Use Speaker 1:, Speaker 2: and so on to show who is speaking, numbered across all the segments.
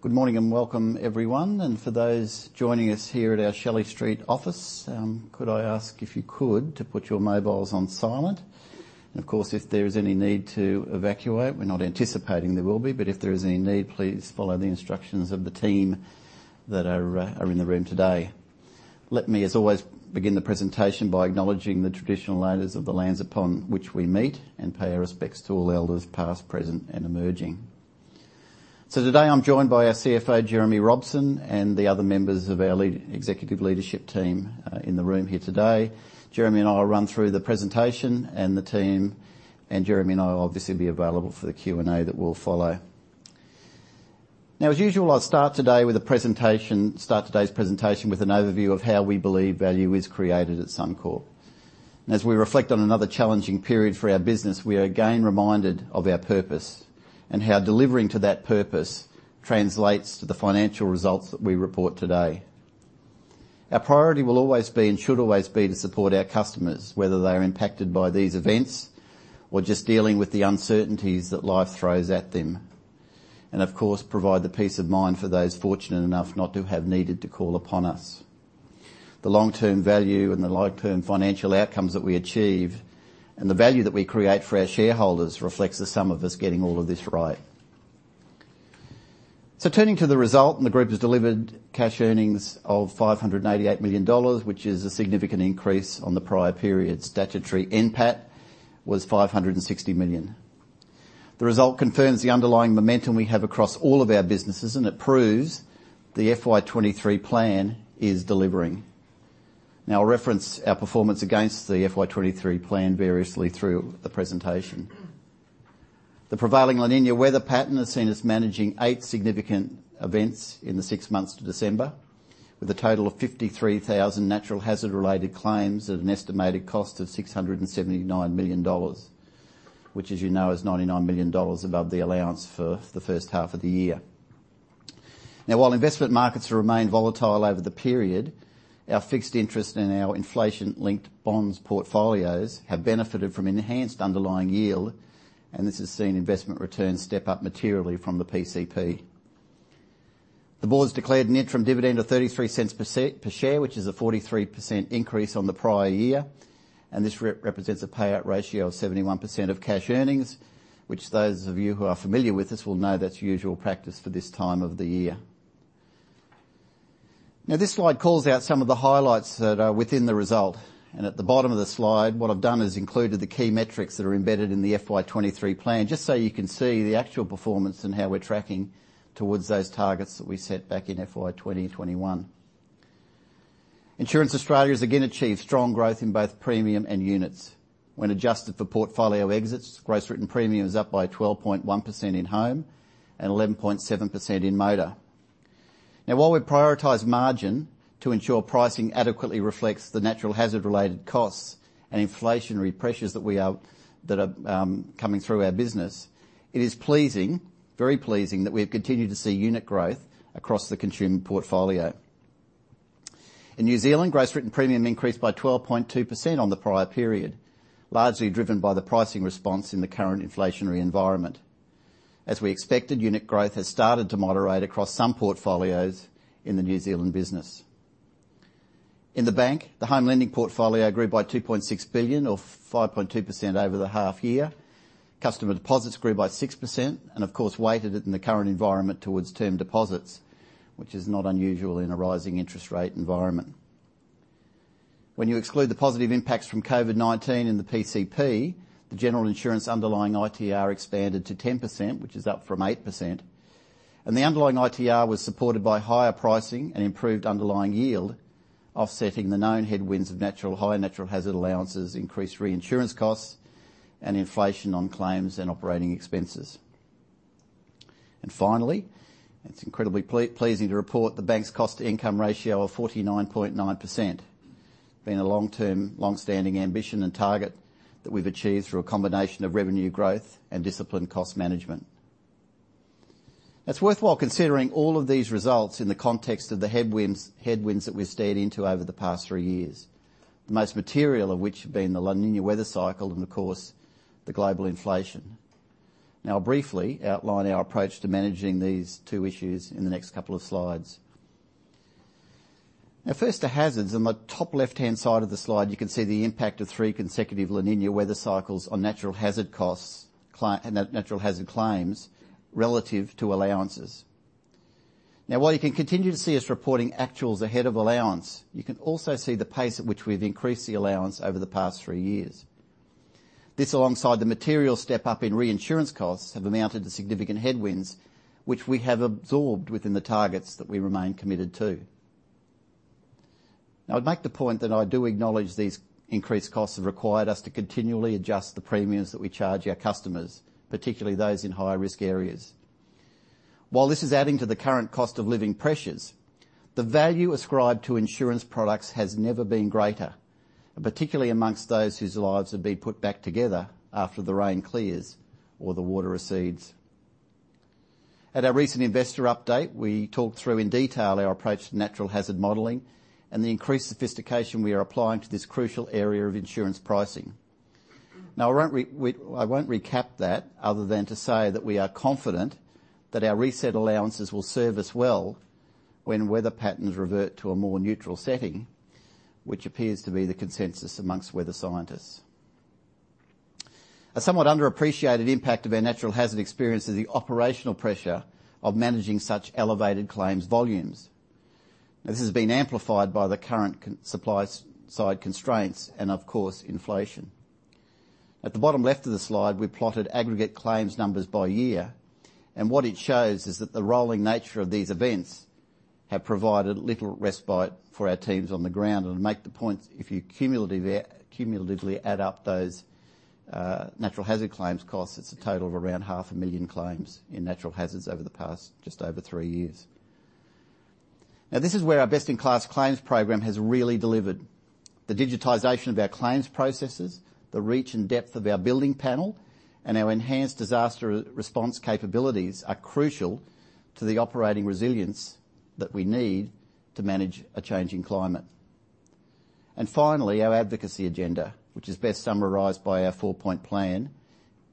Speaker 1: Good morning, and welcome everyone. For those joining us here at our Shelley Street office, could I ask, if you could, to put your mobiles on silent. Of course, if there is any need to evacuate, we're not anticipating there will be, but if there is any need, please follow the instructions of the team that are in the room today. Let me, as always, begin the presentation by acknowledging the traditional owners of the lands upon which we meet, and pay our respects to elders past, present, and emerging. Today I'm joined by our CFO, Jeremy Robson, and the other members of our executive leadership team in the room here today. Jeremy and I will run through the presentation and the team, and Jeremy and I will obviously be available for the Q&A that will follow. Now, as usual, I'll start today's presentation with an overview of how we believe value is created at Suncorp. As we reflect on another challenging period for our business, we are again reminded of our purpose, and how delivering to that purpose translates to the financial results that we report today. Our priority will always be, and should always be, to support our customers, whether they are impacted by these events or just dealing with the uncertainties that life throws at them. Of course, provide the peace of mind for those fortunate enough not to have needed to call upon us. The long-term value and the long-term financial outcomes that we achieve, and the value that we create for our shareholders reflects the sum of us getting all of this right. Turning to the result, the group has delivered cash earnings of 588 million dollars, which is a significant increase on the prior period. Statutory NPAT was 560 million. The result confirms the underlying momentum we have across all of our businesses, and it proves the FY 2023 plan is delivering. I'll reference our performance against the FY 2023 plan variously through the presentation. The prevailing La Niña weather pattern has seen us managing eight significant events in the six months to December, with a total of 53,000 natural hazard related claims at an estimated cost of 679 million dollars, which, as you know, is 99 million dollars above the allowance for the first half of the year. While investment markets remain volatile over the period, our fixed interest and our Inflation-Linked Bonds portfolios have benefited from enhanced underlying yield, this has seen investment returns step up materially from the PCP. The board's declared an interim dividend of 0.33 per share, which is a 43% increase on the prior year. This represents a payout ratio of 71% of cash earnings, which those of you who are familiar with this will know that's usual practice for this time of the year. This slide calls out some of the highlights that are within the result. At the bottom of the slide, what I've done is included the key metrics that are embedded in the FY 2023 plan, just so you can see the actual performance and how we're tracking towards those targets that we set back in FY 2021. Insurance Australia has again achieved strong growth in both premium and units. When adjusted for portfolio exits, Gross Written Premium is up by 12.1% in home and 11.7% in motor. Now, while we prioritize margin to ensure pricing adequately reflects the natural hazard related costs and inflationary pressures that are coming through our business, it is pleasing, very pleasing, that we have continued to see unit growth across the consumer portfolio. In New Zealand, gross written premium increased by 12.2% on the prior period, largely driven by the pricing response in the current inflationary environment. As we expected, unit growth has started to moderate across some portfolios in the New Zealand business. In the bank, the home lending portfolio grew by 2.6 billion or 5.2% over the half year. Customer deposits grew by 6% and of course weighted it in the current environment towards term deposits, which is not unusual in a rising interest rate environment. When you exclude the positive impacts from COVID-19 in the PCP, the general insurance underlying ITR expanded to 10%, which is up from 8%. The underlying ITR was supported by higher pricing and improved underlying yield, offsetting the known headwinds of high natural hazard allowances, increased reinsurance costs, and inflation on claims and operating expenses. Finally, it's incredibly pleasing to report the bank's cost-to-income ratio of 49.9%. Been a long-term, long-standing ambition and target that we've achieved through a combination of revenue growth and disciplined cost management. It's worthwhile considering all of these results in the context of the headwinds that we've steered into over the past three years. The most material of which have been the La Niña weather cycle and of course, the global inflation. I'll briefly outline our approach to managing these two issues in the next couple of slides. First, the hazards. On the top left-hand side of the slide, you can see the impact of three consecutive La Niña weather cycles on natural hazard costs and natural hazard claims relative to allowances. While you can continue to see us reporting actuals ahead of allowance, you can also see the pace at which we've increased the allowance over the past three years. This, alongside the material step up in reinsurance costs, have amounted to significant headwinds, which we have absorbed within the targets that we remain committed to. I'd make the point that I do acknowledge these increased costs have required us to continually adjust the premiums that we charge our customers, particularly those in higher risk areas. While this is adding to the current cost of living pressures, the value ascribed to insurance products has never been greater, and particularly amongst those whose lives have been put back together after the rain clears or the water recedes. At our recent investor update, we talked through in detail our approach to natural hazard modeling and the increased sophistication we are applying to this crucial area of insurance pricing. I won't recap that other than to say that we are confident that our reset allowances will serve us well when weather patterns revert to a more neutral setting, which appears to be the consensus amongst weather scientists. A somewhat underappreciated impact of our natural hazard experience is the operational pressure of managing such elevated claims volumes. This has been amplified by the current supply side constraints and of course, inflation. At the bottom left of the slide, we plotted aggregate claims numbers by year. What it shows is that the rolling nature of these events have provided little respite for our teams on the ground. To make the point, if you cumulatively add up those natural hazard claims costs, it's a total of around half a million claims in natural hazards over the past just over three years. Now, this is where our best in class claims program has really delivered. The digitization of our claims processes, the reach and depth of our building panel, and our enhanced disaster response capabilities are crucial to the operating resilience that we need to manage a changing climate. Finally, our advocacy agenda, which is best summarized by our four-point plan,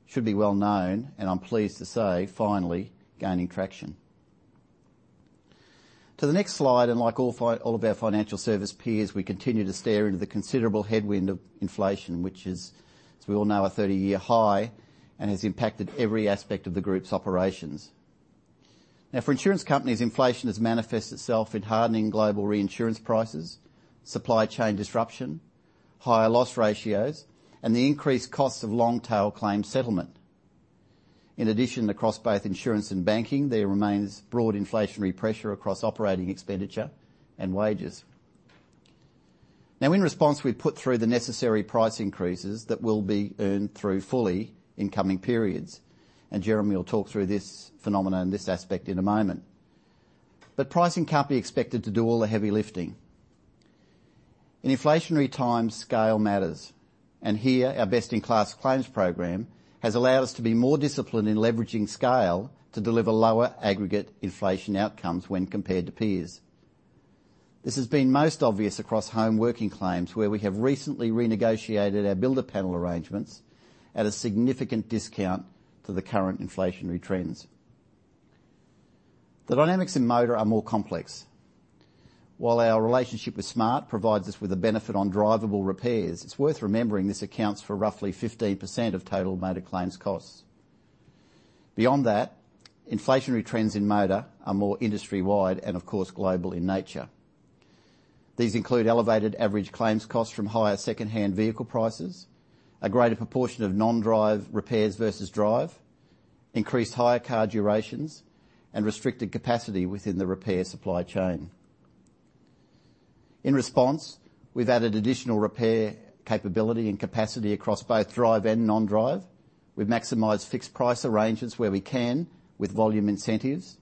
Speaker 1: should be well known, and I'm pleased to say, finally gaining traction. To the next slide, like all of our financial service peers, we continue to stare into the considerable headwind of inflation, which is, as we all know, a 30-year high and has impacted every aspect of the group's operations. For insurance companies, inflation has manifested itself in hardening global reinsurance prices, supply chain disruption, higher loss ratios, and the increased costs of long tail claims settlement. In addition, across both insurance and banking, there remains broad inflationary pressure across operating expenditure and wages. In response, we've put through the necessary price increases that will be earned through fully in coming periods, and Jeremy will talk through this phenomenon, this aspect in a moment. Pricing can't be expected to do all the heavy lifting. In inflationary times, scale matters, and here our best in class claims program has allowed us to be more disciplined in leveraging scale to deliver lower aggregate inflation outcomes when compared to peers. This has been most obvious across home working claims, where we have recently renegotiated our builder panel arrangements at a significant discount to the current inflationary trends. The dynamics in motor are more complex. While our relationship with SMART provides us with a benefit on drivable repairs, it's worth remembering this accounts for roughly 15% of total motor claims costs. Beyond that, inflationary trends in motor are more industry-wide and of course global in nature. These include elevated average claims costs from higher second-hand vehicle prices, a greater proportion of non-drive repairs versus drive, increased hire car durations, and restricted capacity within the repair supply chain. In response, we've added additional repair capability and capacity across both drive and non-drive. We've maximized fixed price arrangements where we can with volume incentives.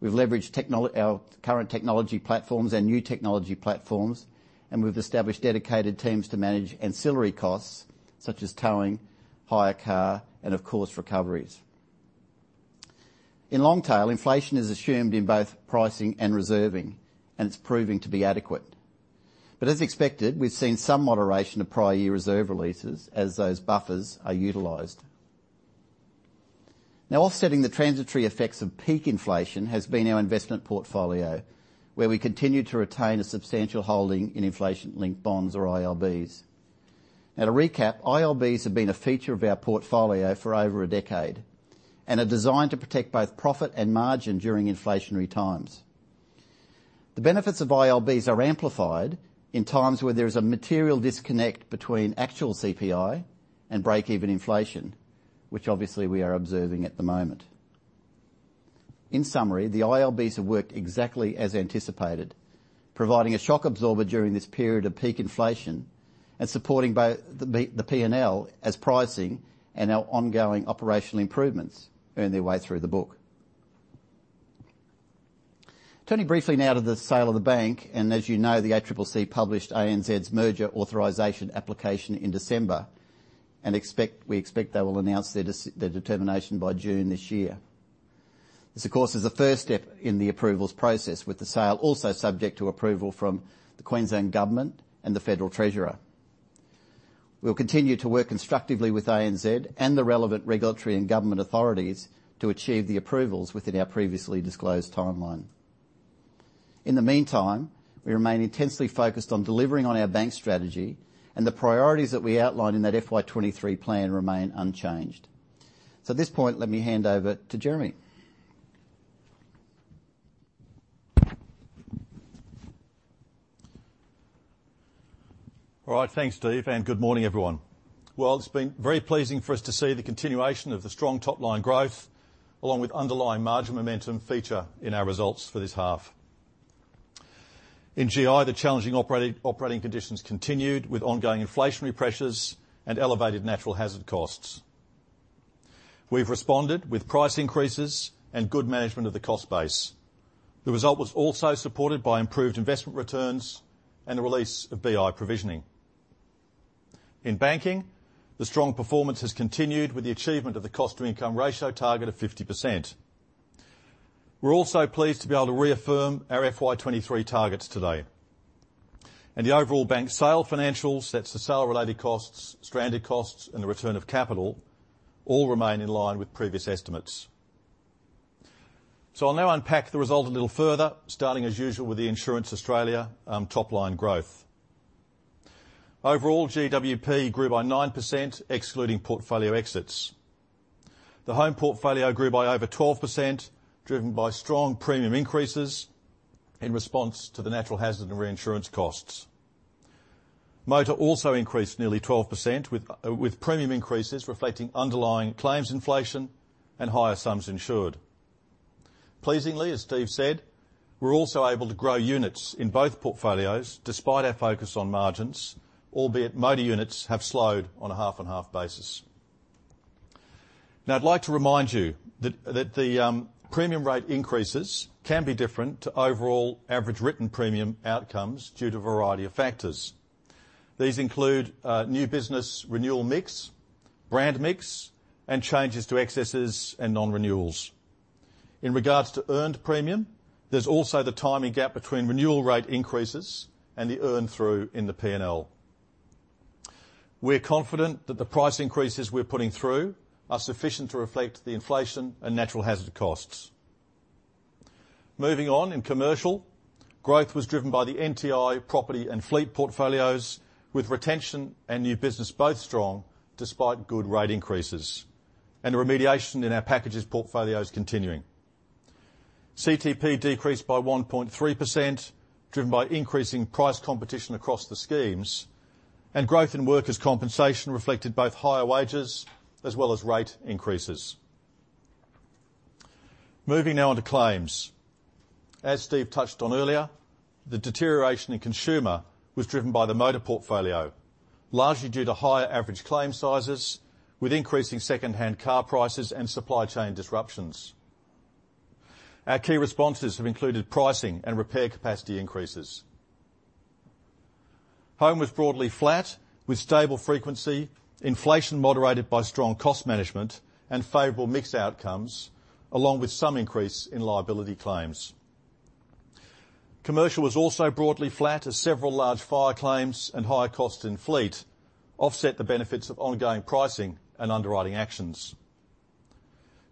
Speaker 1: We've leveraged our current technology platforms and new technology platforms, and we've established dedicated teams to manage ancillary costs such as towing, hire car, and of course, recoveries. In long tail, inflation is assumed in both pricing and reserving, and it's proving to be adequate. As expected, we've seen some moderation of prior year reserve releases as those buffers are utilized. Offsetting the transitory effects of peak inflation has been our investment portfolio, where we continue to retain a substantial holding in inflation-linked bonds or ILBs. To recap, ILBs have been a feature of our portfolio for over a decade and are designed to protect both profit and margin during inflationary times. The benefits of ILBs are amplified in times where there is a material disconnect between actual CPI and break-even inflation, which obviously we are observing at the moment. In summary, the ILBs have worked exactly as anticipated, providing a shock absorber during this period of peak inflation and supporting both the P&L as pricing and our ongoing operational improvements earn their way through the book. Turning briefly now to the sale of the bank, as you know, the ACCC published ANZ's merger authorization application in December, we expect they will announce their determination by June this year. This of course is the first step in the approvals process, with the sale also subject to approval from the Queensland Government and the Federal Treasurer. We'll continue to work constructively with ANZ and the relevant regulatory and government authorities to achieve the approvals within our previously disclosed timeline. In the meantime, we remain intensely focused on delivering on our bank strategy, and the priorities that we outlined in that FY 2023 plan remain unchanged. At this point, let me hand over to Jeremy.
Speaker 2: Right. Thanks, Steve. Good morning, everyone. Well, it's been very pleasing for us to see the continuation of the strong top-line growth, along with underlying margin momentum feature in our results for this half. In GI, the challenging operating conditions continued with ongoing inflationary pressures and elevated natural hazard costs. We've responded with price increases and good management of the cost base. The result was also supported by improved investment returns and the release of BI provisioning. In banking, the strong performance has continued with the achievement of the cost-to-income ratio target of 50%. We're also pleased to be able to reaffirm our FY 2023 targets today. The overall bank sale financials, that's the sale-related costs, stranded costs, and the return of capital all remain in line with previous estimates. I'll now unpack the result a little further, starting as usual with the Insurance Australia top line growth. Overall GWP grew by 9% excluding portfolio exits. The home portfolio grew by over 12% driven by strong premium increases in response to the natural hazard and reinsurance costs. Motor also increased nearly 12% with premium increases reflecting underlying claims inflation and higher sums insured. Pleasingly, as Steve said, we're also able to grow units in both portfolios despite our focus on margins, albeit motor units have slowed on a half-and-half basis. Now I'd like to remind you that the premium rate increases can be different to overall average written premium outcomes due to a variety of factors. These include new business renewal mix, brand mix, and changes to excesses and non-renewals. In regards to earned premium, there's also the timing gap between renewal rate increases and the earn through in the P&L. We're confident that the price increases we're putting through are sufficient to reflect the inflation and natural hazard costs. Moving on, in commercial, growth was driven by the NTI property and fleet portfolios, with retention and new business both strong despite good rate increases and the remediation in our packages portfolios continuing. CTP decreased by 1.3%, driven by increasing price competition across the schemes. Growth in workers' compensation reflected both higher wages as well as rate increases. Moving now on to claims. As Steve touched on earlier, the deterioration in consumer was driven by the motor portfolio, largely due to higher average claim sizes with increasing secondhand car prices and supply chain disruptions. Our key responses have included pricing and repair capacity increases. Home was broadly flat with stable frequency, inflation moderated by strong cost management and favorable mix outcomes, along with some increase in liability claims. Commercial was also broadly flat as several large fire claims and higher costs in fleet offset the benefits of ongoing pricing and underwriting actions.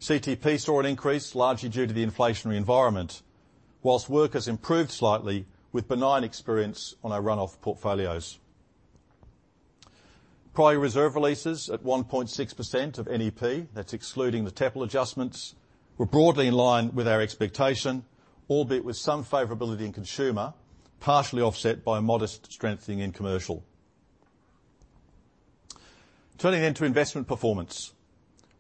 Speaker 2: CTP saw an increase largely due to the inflationary environment, whilst workers improved slightly with benign experience on our run-off portfolios. Prior reserve releases at 1.6% of NEP, that's excluding the TOFA adjustments, were broadly in line with our expectation, albeit with some favorability in consumer, partially offset by modest strengthening in commercial. Turning then to investment performance.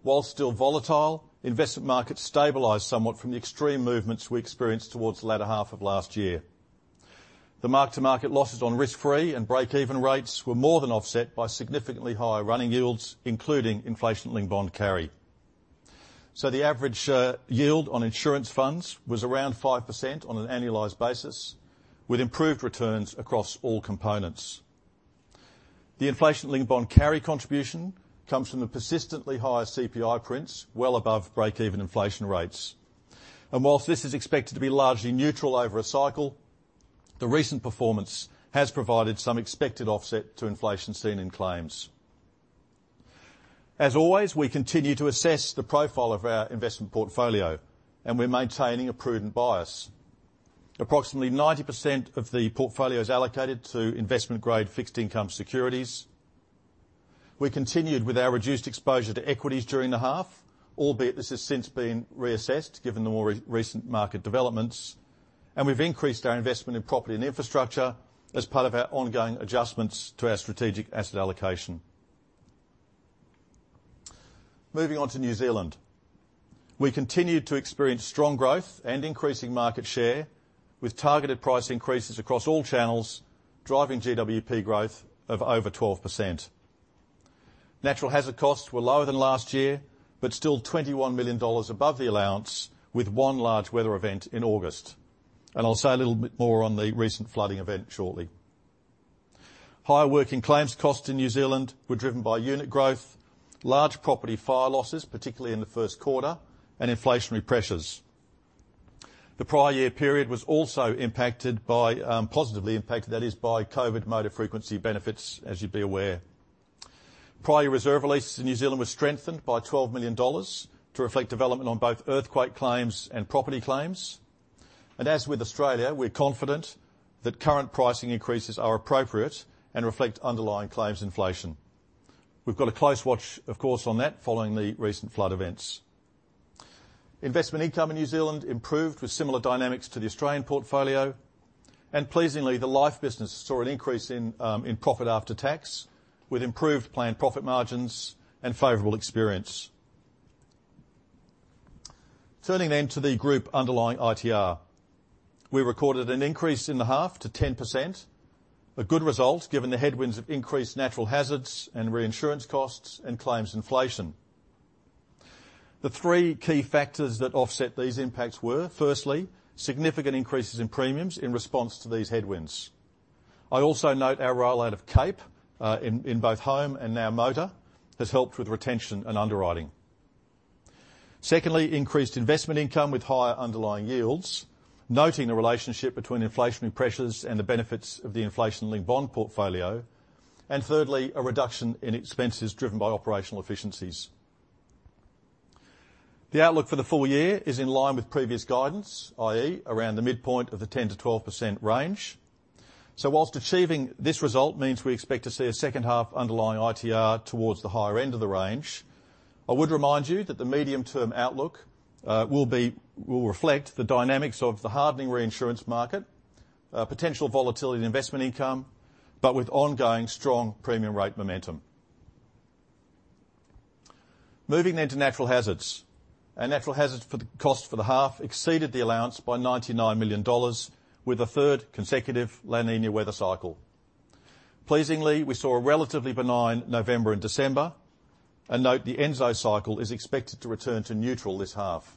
Speaker 2: While still volatile, investment markets stabilized somewhat from the extreme movements we experienced towards the latter half of last year. The mark-to-market losses on risk-free and break-even rates were more than offset by significantly higher running yields, including inflation-linked bond carry. The average yield on insurance funds was around 5% on an annualized basis, with improved returns across all components. The inflation-linked bond carry contribution comes from the persistently higher CPI prints well above break-even inflation rates. Whilst this is expected to be largely neutral over a cycle, the recent performance has provided some expected offset to inflation seen in claims. As always, we continue to assess the profile of our investment portfolio, and we're maintaining a prudent bias. Approximately 90% of the portfolio is allocated to investment-grade fixed income securities. We continued with our reduced exposure to equities during the half, albeit this has since been reassessed given the more recent market developments. We've increased our investment in property and infrastructure as part of our ongoing adjustments to our strategic asset allocation. Moving on to New Zealand. We continued to experience strong growth and increasing market share with targeted price increases across all channels, driving GWP growth of over 12%. Natural hazard costs were lower than last year, but still $21 million above the allowance with one large weather event in August. I'll say a little bit more on the recent flooding event shortly. Higher working claims costs in New Zealand were driven by unit growth, large property fire losses, particularly in the 1st quarter, and inflationary pressures. The prior year period was also impacted by, positively impacted, that is, by COVID motor frequency benefits, as you'd be aware. Prior reserve releases in New Zealand were strengthened by AUD 12 million to reflect development on both earthquake claims and property claims. As with Australia, we're confident that current pricing increases are appropriate and reflect underlying claims inflation. We've got a close watch, of course, on that following the recent flood events. Investment income in New Zealand improved with similar dynamics to the Australian portfolio. Pleasingly, the life business saw an increase in profit after tax with improved planned profit margins and favorable experience. Turning to the group underlying ITR. We recorded an increase in the half to 10%, a good result given the headwinds of increased natural hazards and reinsurance costs and claims inflation. The three key factors that offset these impacts were, firstly, significant increases in premiums in response to these headwinds. I also note our roll out of CAPE in both home and now motor has helped with retention and underwriting. Secondly, increased investment income with higher underlying yields, noting the relationship between inflationary pressures and the benefits of the inflation-linked bond portfolio. Thirdly, a reduction in expenses driven by operational efficiencies. The outlook for the full year is in line with previous guidance, i.e., around the midpoint of the 10%-12% range. Whilst achieving this result means we expect to see a second half underlying ITR towards the higher end of the range. I would remind you that the medium term outlook will reflect the dynamics of the hardening reinsurance market, potential volatility in investment income, with ongoing strong premium rate momentum. Moving into natural hazards. Natural hazards for the cost for the half exceeded the allowance by 99 million dollars, with a third consecutive La Niña weather cycle. Pleasingly, we saw a relatively benign November and December, note the ENSO cycle is expected to return to neutral this half.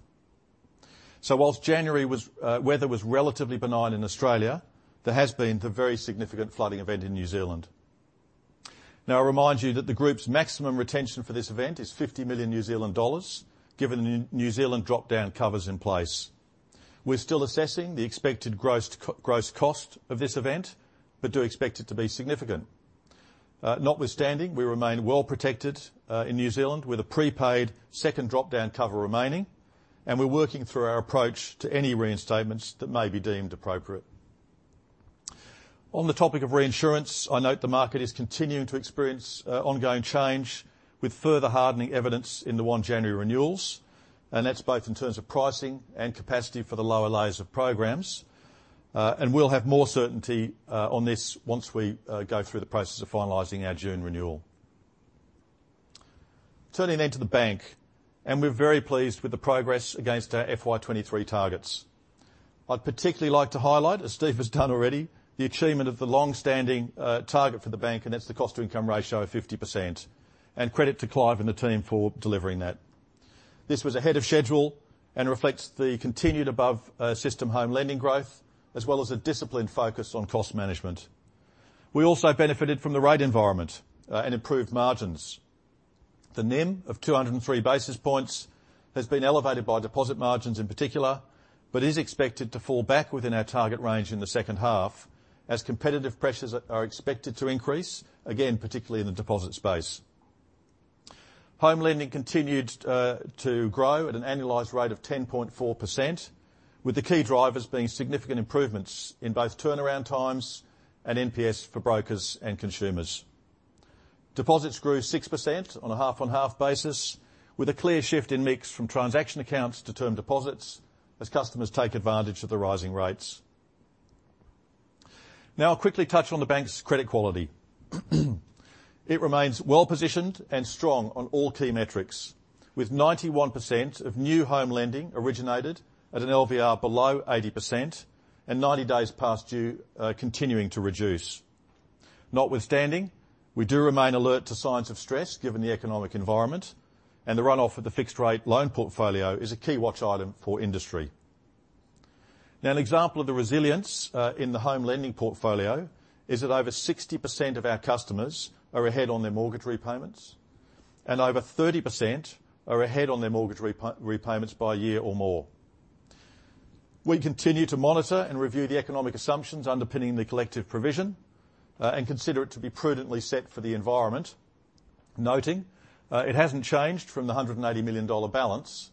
Speaker 2: Whilst January was weather was relatively benign in Australia, there has been the very significant flooding event in New Zealand. I'll remind you that the group's maximum retention for this event is 50 million New Zealand dollars. Given the New Zealand drop-down cover's in place. We're still assessing the expected gross co-gross cost of this event, do expect it to be significant. Notwithstanding, we remain well protected in New Zealand with a prepaid second drop-down cover remaining, and we're working through our approach to any reinstatements that may be deemed appropriate. On the topic of reinsurance, I note the market is continuing to experience ongoing change with further hardening evidence in the 1 January renewals, and that's both in terms of pricing and capacity for the lower layers of programs. We'll have more certainty on this once we go through the process of finalizing our June renewal. Turning to the bank, we're very pleased with the progress against our FY 2023 targets. I'd particularly like to highlight, as Steve has done already, the achievement of the long-standing target for the bank, and that's the cost to income ratio of 50%. Credit to Clive and the team for delivering that. This was ahead of schedule and reflects the continued above system home lending growth, as well as a disciplined focus on cost management. We also benefited from the rate environment and improved margins. The NIM of 203 basis points has been elevated by deposit margins in particular, but is expected to fall back within our target range in the second half as competitive pressures are expected to increase, again, particularly in the deposit space. Home lending continued to grow at an annualized rate of 10.4%, with the key drivers being significant improvements in both turnaround times and NPS for brokers and consumers. Deposits grew 6% on a half on half basis, with a clear shift in mix from transaction accounts to term deposits as customers take advantage of the rising rates. Now I'll quickly touch on the bank's credit quality. It remains well positioned and strong on all key metrics, with 91% of new home lending originated at an LVR below 80% and 90 days past due continuing to reduce. Notwithstanding, we do remain alert to signs of stress given the economic environment, and the runoff of the fixed rate loan portfolio is a key watch item for industry. An example of the resilience in the home lending portfolio is that over 60% of our customers are ahead on their mortgage repayments, and over 30% are ahead on their mortgage repayments by a year or more. We continue to monitor and review the economic assumptions underpinning the collective provision, and consider it to be prudently set for the environment. Noting, it hasn't changed from the 180 million dollar balance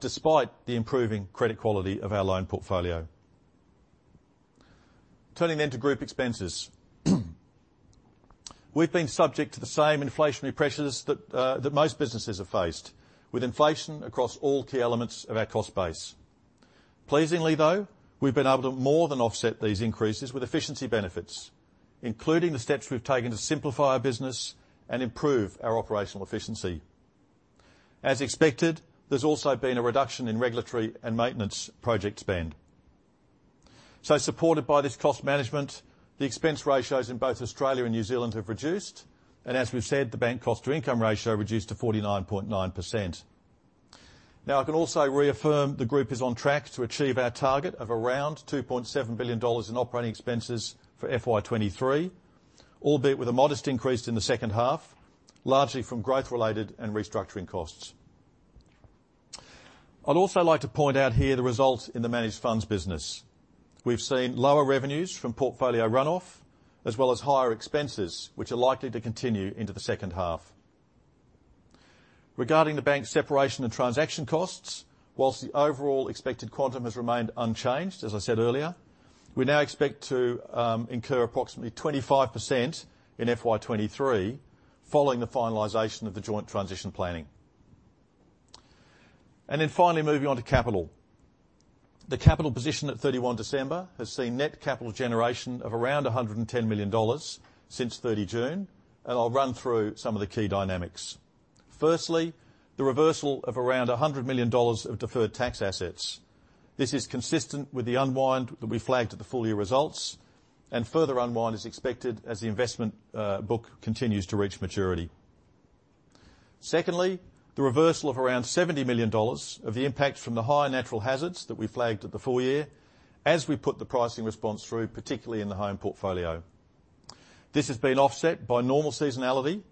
Speaker 2: despite the improving credit quality of our loan portfolio. Turning to group expenses. We've been subject to the same inflationary pressures that most businesses have faced with inflation across all key elements of our cost base. Pleasingly though, we've been able to more than offset these increases with efficiency benefits, including the steps we've taken to simplify our business and improve our operational efficiency. As expected, there's also been a reduction in regulatory and maintenance project spend. Supported by this cost management, the expense ratios in both Australia and New Zealand have reduced. As we've said, the bank cost to income ratio reduced to 49.9%. I can also reaffirm the group is on track to achieve our target of around 2.7 billion dollars in operating expenses for FY 2023, albeit with a modest increase in the second half, largely from growth related and restructuring costs. I'd also like to point out here the result in the managed funds business. We've seen lower revenues from portfolio runoff, as well as higher expenses which are likely to continue into the second half. Regarding the bank separation and transaction costs, whilst the overall expected quantum has remained unchanged, as I said earlier, we now expect to incur approximately 25% in FY 2023 following the finalization of the joint transition planning. Finally moving on to capital. The capital position at 31 December has seen net capital generation of around 110 million dollars since 30 June, and I'll run through some of the key dynamics. Firstly, the reversal of around 100 million dollars of deferred tax assets. This is consistent with the unwind that we flagged at the full year results, and further unwind is expected as the investment book continues to reach maturity. Secondly, the reversal of around 70 million dollars of the impact from the higher natural hazards that we flagged at the full year as we put the pricing response through, particularly in the home portfolio. This has been offset by normal seasonality,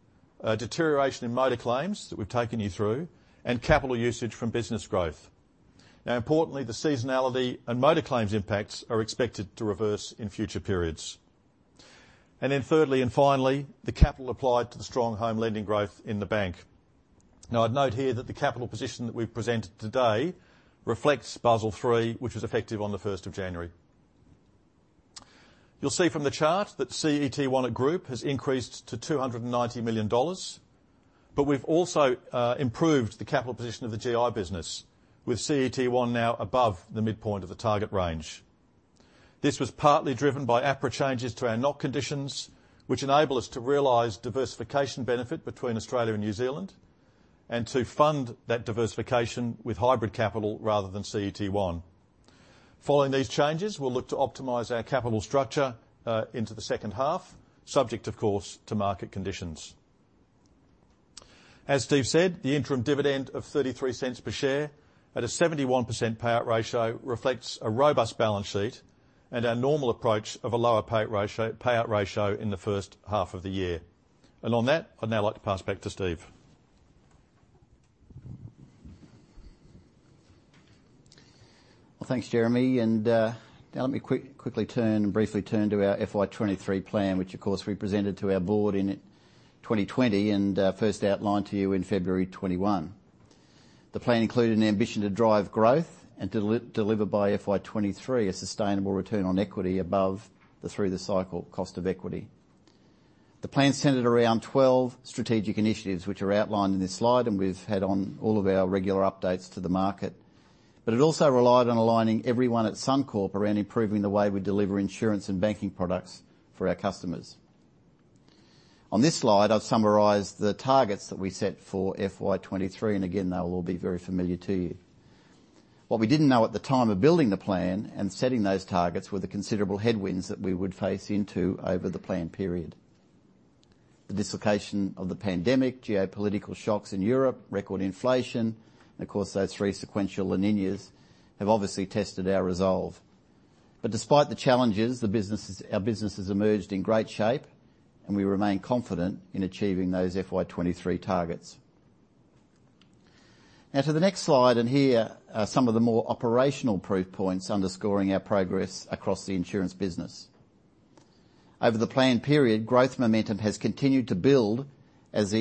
Speaker 2: a deterioration in motor claims that we've taken you through, and capital usage from business growth. Importantly, the seasonality and motor claims impacts are expected to reverse in future periods. Thirdly and finally, the capital applied to the strong home lending growth in the bank. I'd note here that the capital position that we've presented today reflects Basel III, which was effective on the 1st of January. You'll see from the chart that CET1 at group has increased to $290 million. We've also improved the capital position of the GI business with CET1 now above the midpoint of the target range. This was partly driven by APRA changes to our NOP conditions, which enable us to realize diversification benefit between Australia and New Zealand, and to fund that diversification with hybrid capital rather than CET1. Following these changes, we'll look to optimize our capital structure into the second half, subject of course, to market conditions. As Steve said, the interim dividend of $0.33 per share at a 71% payout ratio reflects a robust balance sheet and our normal approach of a lower payout ratio in the first half of the year. On that, I'd now like to pass back to Steve.
Speaker 1: Well, thanks, Jeremy. Now let me quickly turn and briefly turn to our FY 2023 plan, which of course we presented to our board in 2020, first outlined to you in February 21. The plan included an ambition to drive growth and deliver by FY 2023 a sustainable return on equity above the through the cycle cost of equity. The plan centered around 12 strategic initiatives, which are outlined in this slide, and we've had on all of our regular updates to the market. It also relied on aligning everyone at Suncorp around improving the way we deliver insurance and banking products for our customers. On this slide, I've summarized the targets that we set for FY 2023, and again, they'll all be very familiar to you. What we didn't know at the time of building the plan and setting those targets were the considerable headwinds that we would face into over the plan period. The dislocation of the pandemic, geopolitical shocks in Europe, record inflation, of course, those three sequential La Niñas have obviously tested our resolve. Despite the challenges, our business has emerged in great shape, and we remain confident in achieving those FY 2023 targets. To the next slide, here are some of the more operational proof points underscoring our progress across the insurance business. Over the plan period, growth momentum has continued to build as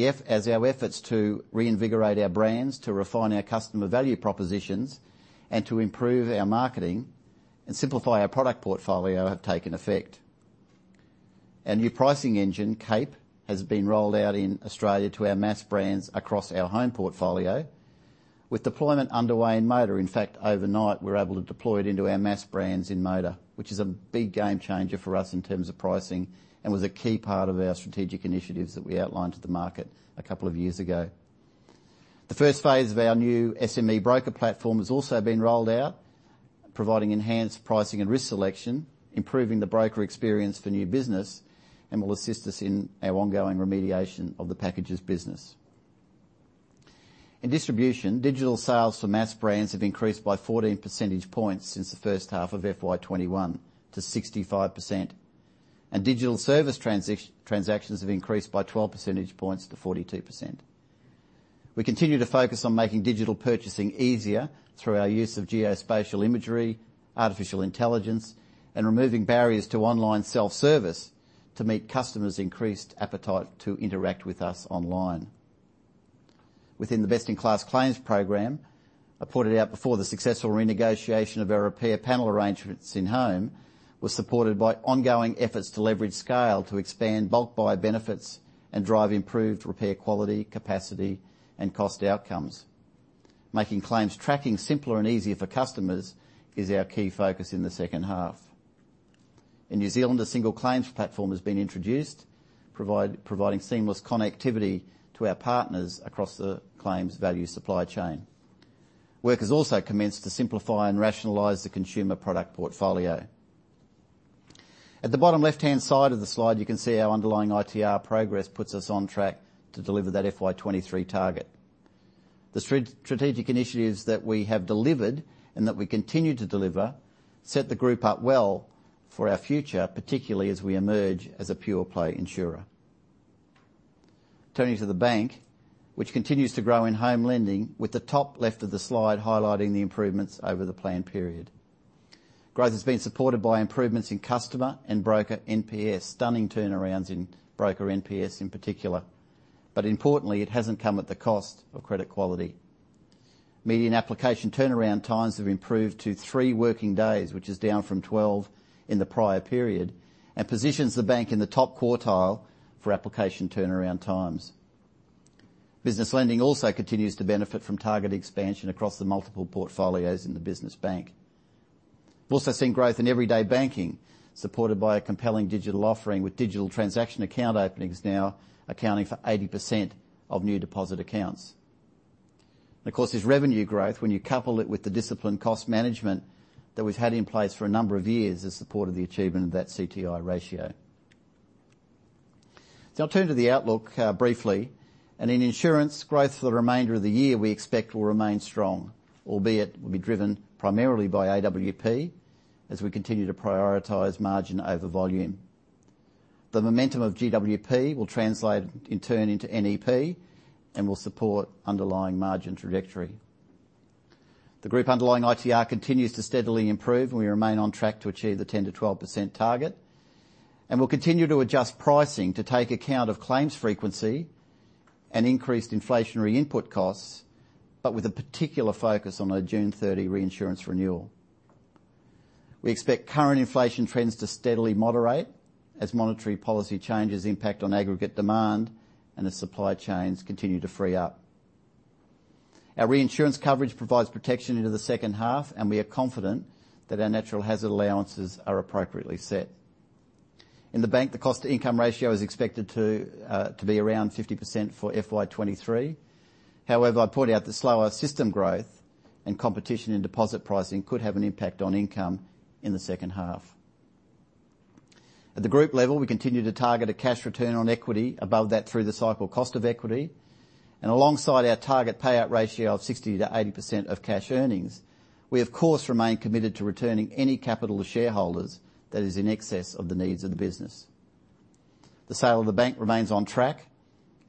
Speaker 1: our efforts to reinvigorate our brands, to refine our customer value propositions, and to improve our marketing and simplify our product portfolio have taken effect. Our new pricing engine, CAPE, has been rolled out in Australia to our Mass brands across our home portfolio with deployment underway in motor. In fact, overnight, we're able to deploy it into our Mass brands in motor, which is a big game changer for us in terms of pricing and was a key part of our strategic initiatives that we outlined to the market a couple of years ago. The first phase of our new SME broker platform has also been rolled out, providing enhanced pricing and risk selection, improving the broker experience for new business, and will assist us in our ongoing remediation of the packages business. In distribution, digital sales for Mass brands have increased by 14 percentage points since the first half of FY 2021 to 65%, and digital service transactions have increased by 12 percentage points to 42%. We continue to focus on making digital purchasing easier through our use of geospatial imagery, artificial intelligence, and removing barriers to online self-service to meet customers' increased appetite to interact with us online. Within the Best in Class Claims program, I pointed out before the successful renegotiation of our repair panel arrangements in home was supported by ongoing efforts to leverage scale to expand bulk buy benefits and drive improved repair quality, capacity, and cost outcomes. Making claims tracking simpler and easier for customers is our key focus in the second half. In New Zealand, a single claims platform has been introduced, providing seamless connectivity to our partners across the claims value supply chain. Work has also commenced to simplify and rationalize the consumer product portfolio. At the bottom left-hand side of the slide, you can see our underlying ITR progress puts us on track to deliver that FY 2023 target. The strategic initiatives that we have delivered and that we continue to deliver set the group up well for our future, particularly as we emerge as a pure play insurer. Turning to the bank, which continues to grow in home lending, with the top left of the slide highlighting the improvements over the plan period. Growth has been supported by improvements in customer and broker NPS, stunning turnarounds in broker NPS in particular. Importantly, it hasn't come at the cost of credit quality. Median application turnaround times have improved to three working days, which is down from 12 in the prior period, and positions the bank in the top quartile for application turnaround times. Business lending also continues to benefit from target expansion across the multiple portfolios in the business bank. We've also seen growth in everyday banking, supported by a compelling digital offering with digital transaction account openings now accounting for 80% of new deposit accounts. It's revenue growth when you couple it with the disciplined cost management that we've had in place for a number of years that supported the achievement of that CTI ratio. I'll turn to the outlook briefly. In insurance growth for the remainder of the year, we expect will remain strong, albeit will be driven primarily by AWP as we continue to prioritize margin over volume. The momentum of GWP will translate in turn into NEP and will support underlying margin trajectory. The group underlying ITR continues to steadily improve, and we remain on track to achieve the 10%-12% target. We'll continue to adjust pricing to take account of claims frequency and increased inflationary input costs, but with a particular focus on a June 30 reinsurance renewal. We expect current inflation trends to steadily moderate as monetary policy changes impact on aggregate demand and as supply chains continue to free up. Our reinsurance coverage provides protection into the second half, and we are confident that our natural hazard allowances are appropriately set. In the bank, the cost-to-income ratio is expected to be around 50% for FY 2023. However, I point out the slower system growth and competition in deposit pricing could have an impact on income in the second half. At the group level, we continue to target a cash return on equity above that through the cycle cost of equity. Alongside our target payout ratio of 60% to 80% of cash earnings, we of course remain committed to returning any capital to shareholders that is in excess of the needs of the business. The sale of the bank remains on track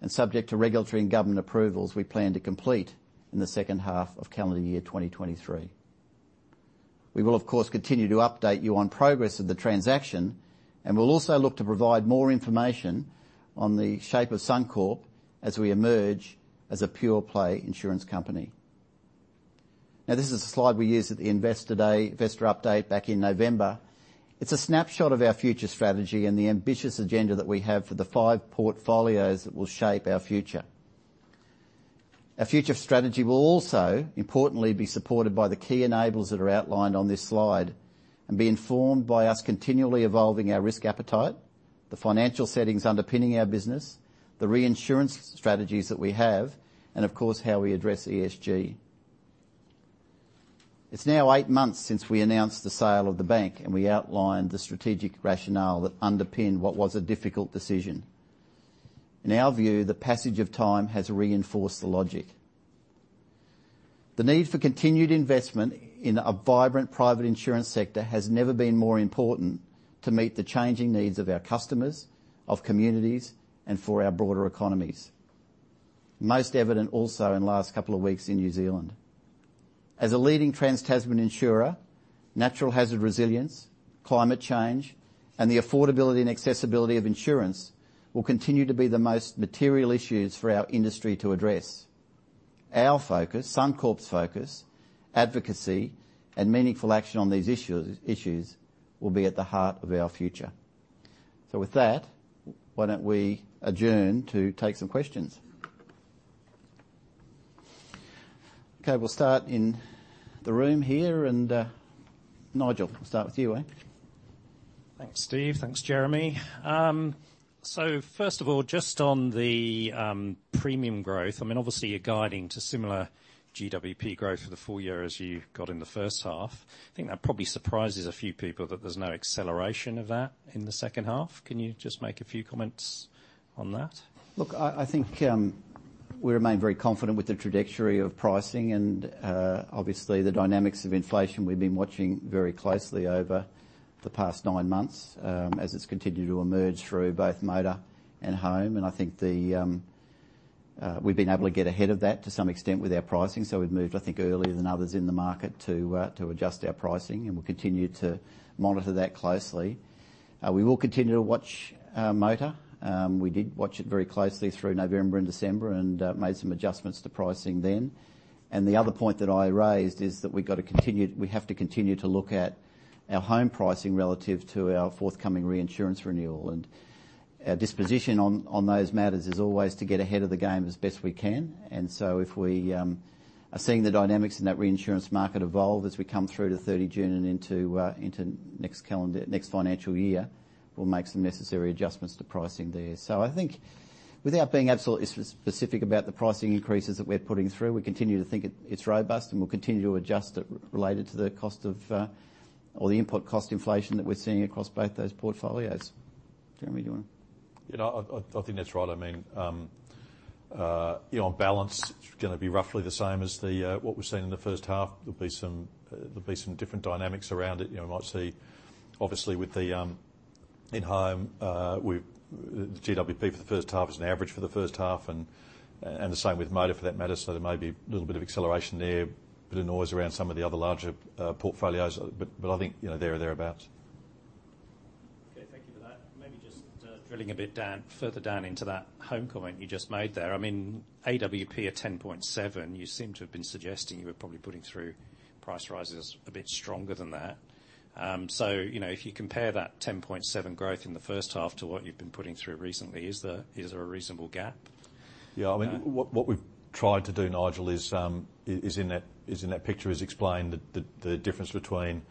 Speaker 1: and subject to regulatory and government approvals we plan to complete in the second half of calendar year 2023. We will, of course, continue to update you on progress of the transaction, and we'll also look to provide more information on the shape of Suncorp as we emerge as a pure play insurance company. This is a slide we used at the Investor Day, Investor Update back in November. It's a snapshot of our future strategy and the ambitious agenda that we have for the five portfolios that will shape our future. Our future strategy will also, importantly, be supported by the key enablers that are outlined on this slide and be informed by us continually evolving our risk appetite, the financial settings underpinning our business, the reinsurance strategies that we have, and of course, how we address ESG. It's now eight months since we announced the sale of the Bank, and we outlined the strategic rationale that underpinned what was a difficult decision. In our view, the passage of time has reinforced the logic. The need for continued investment in a vibrant private insurance sector has never been more important to meet the changing needs of our customers, of communities, and for our broader economies. Most evident also in the last couple of weeks in New Zealand. As a leading trans-Tasman insurer, natural hazard resilience, climate change, and the affordability and accessibility of insurance will continue to be the most material issues for our industry to address. Our focus, Suncorp's focus, advocacy, and meaningful action on these issues will be at the heart of our future. With that, why don't we adjourn to take some questions? Okay, we'll start in the room here and Nigel, we'll start with you, eh?
Speaker 3: Thanks, Steve. Thanks, Jeremy. First of all, just on the premium growth, I mean, obviously you're guiding to similar GWP growth for the full year as you got in the first half. I think that probably surprises a few people that there's no acceleration of that in the second half. Can you just make a few comments on that?
Speaker 1: Look, I think we remain very confident with the trajectory of pricing and obviously the dynamics of inflation we've been watching very closely over the past nine months, as it's continued to emerge through both motor and home. I think the we've been able to get ahead of that to some extent with our pricing. We've moved, I think, earlier than others in the market to adjust our pricing, and we'll continue to monitor that closely. We will continue to watch motor. We did watch it very closely through November and December and made some adjustments to pricing then. The other point that I raised is that we have to continue to look at our home pricing relative to our forthcoming reinsurance renewal. Our disposition on those matters is always to get ahead of the game as best we can. If we are seeing the dynamics in that reinsurance market evolve as we come through to 30 June and into next calendar, next financial year, we'll make some necessary adjustments to pricing there. I think without being absolutely specific about the pricing increases that we're putting through, we continue to think it's robust, and we'll continue to adjust it related to the cost of or the input cost inflation that we're seeing across both those portfolios. Jeremy, do you want to?
Speaker 2: You know, I think that's right. I mean, you know, on balance, it's gonna be roughly the same as what we've seen in the first half. There'll be some different dynamics around it. You know, might see, obviously with the in home, the GWP for the first half is an average for the first half and the same with motor for that matter. There may be a little bit of acceleration there, a bit of noise around some of the other larger portfolios. But I think, you know, they're thereabouts.
Speaker 3: Okay. Thank you for that. Maybe just drilling a bit down, further down into that home comment you just made there. I mean, AWP at 10.7, you seem to have been suggesting you were probably putting through price rises a bit stronger than that. You know, if you compare that 10.7 growth in the first half to what you've been putting through recently, is there a reasonable gap?
Speaker 2: Yeah. I mean, what we've tried to do, Nigel, is in that picture is explain the difference between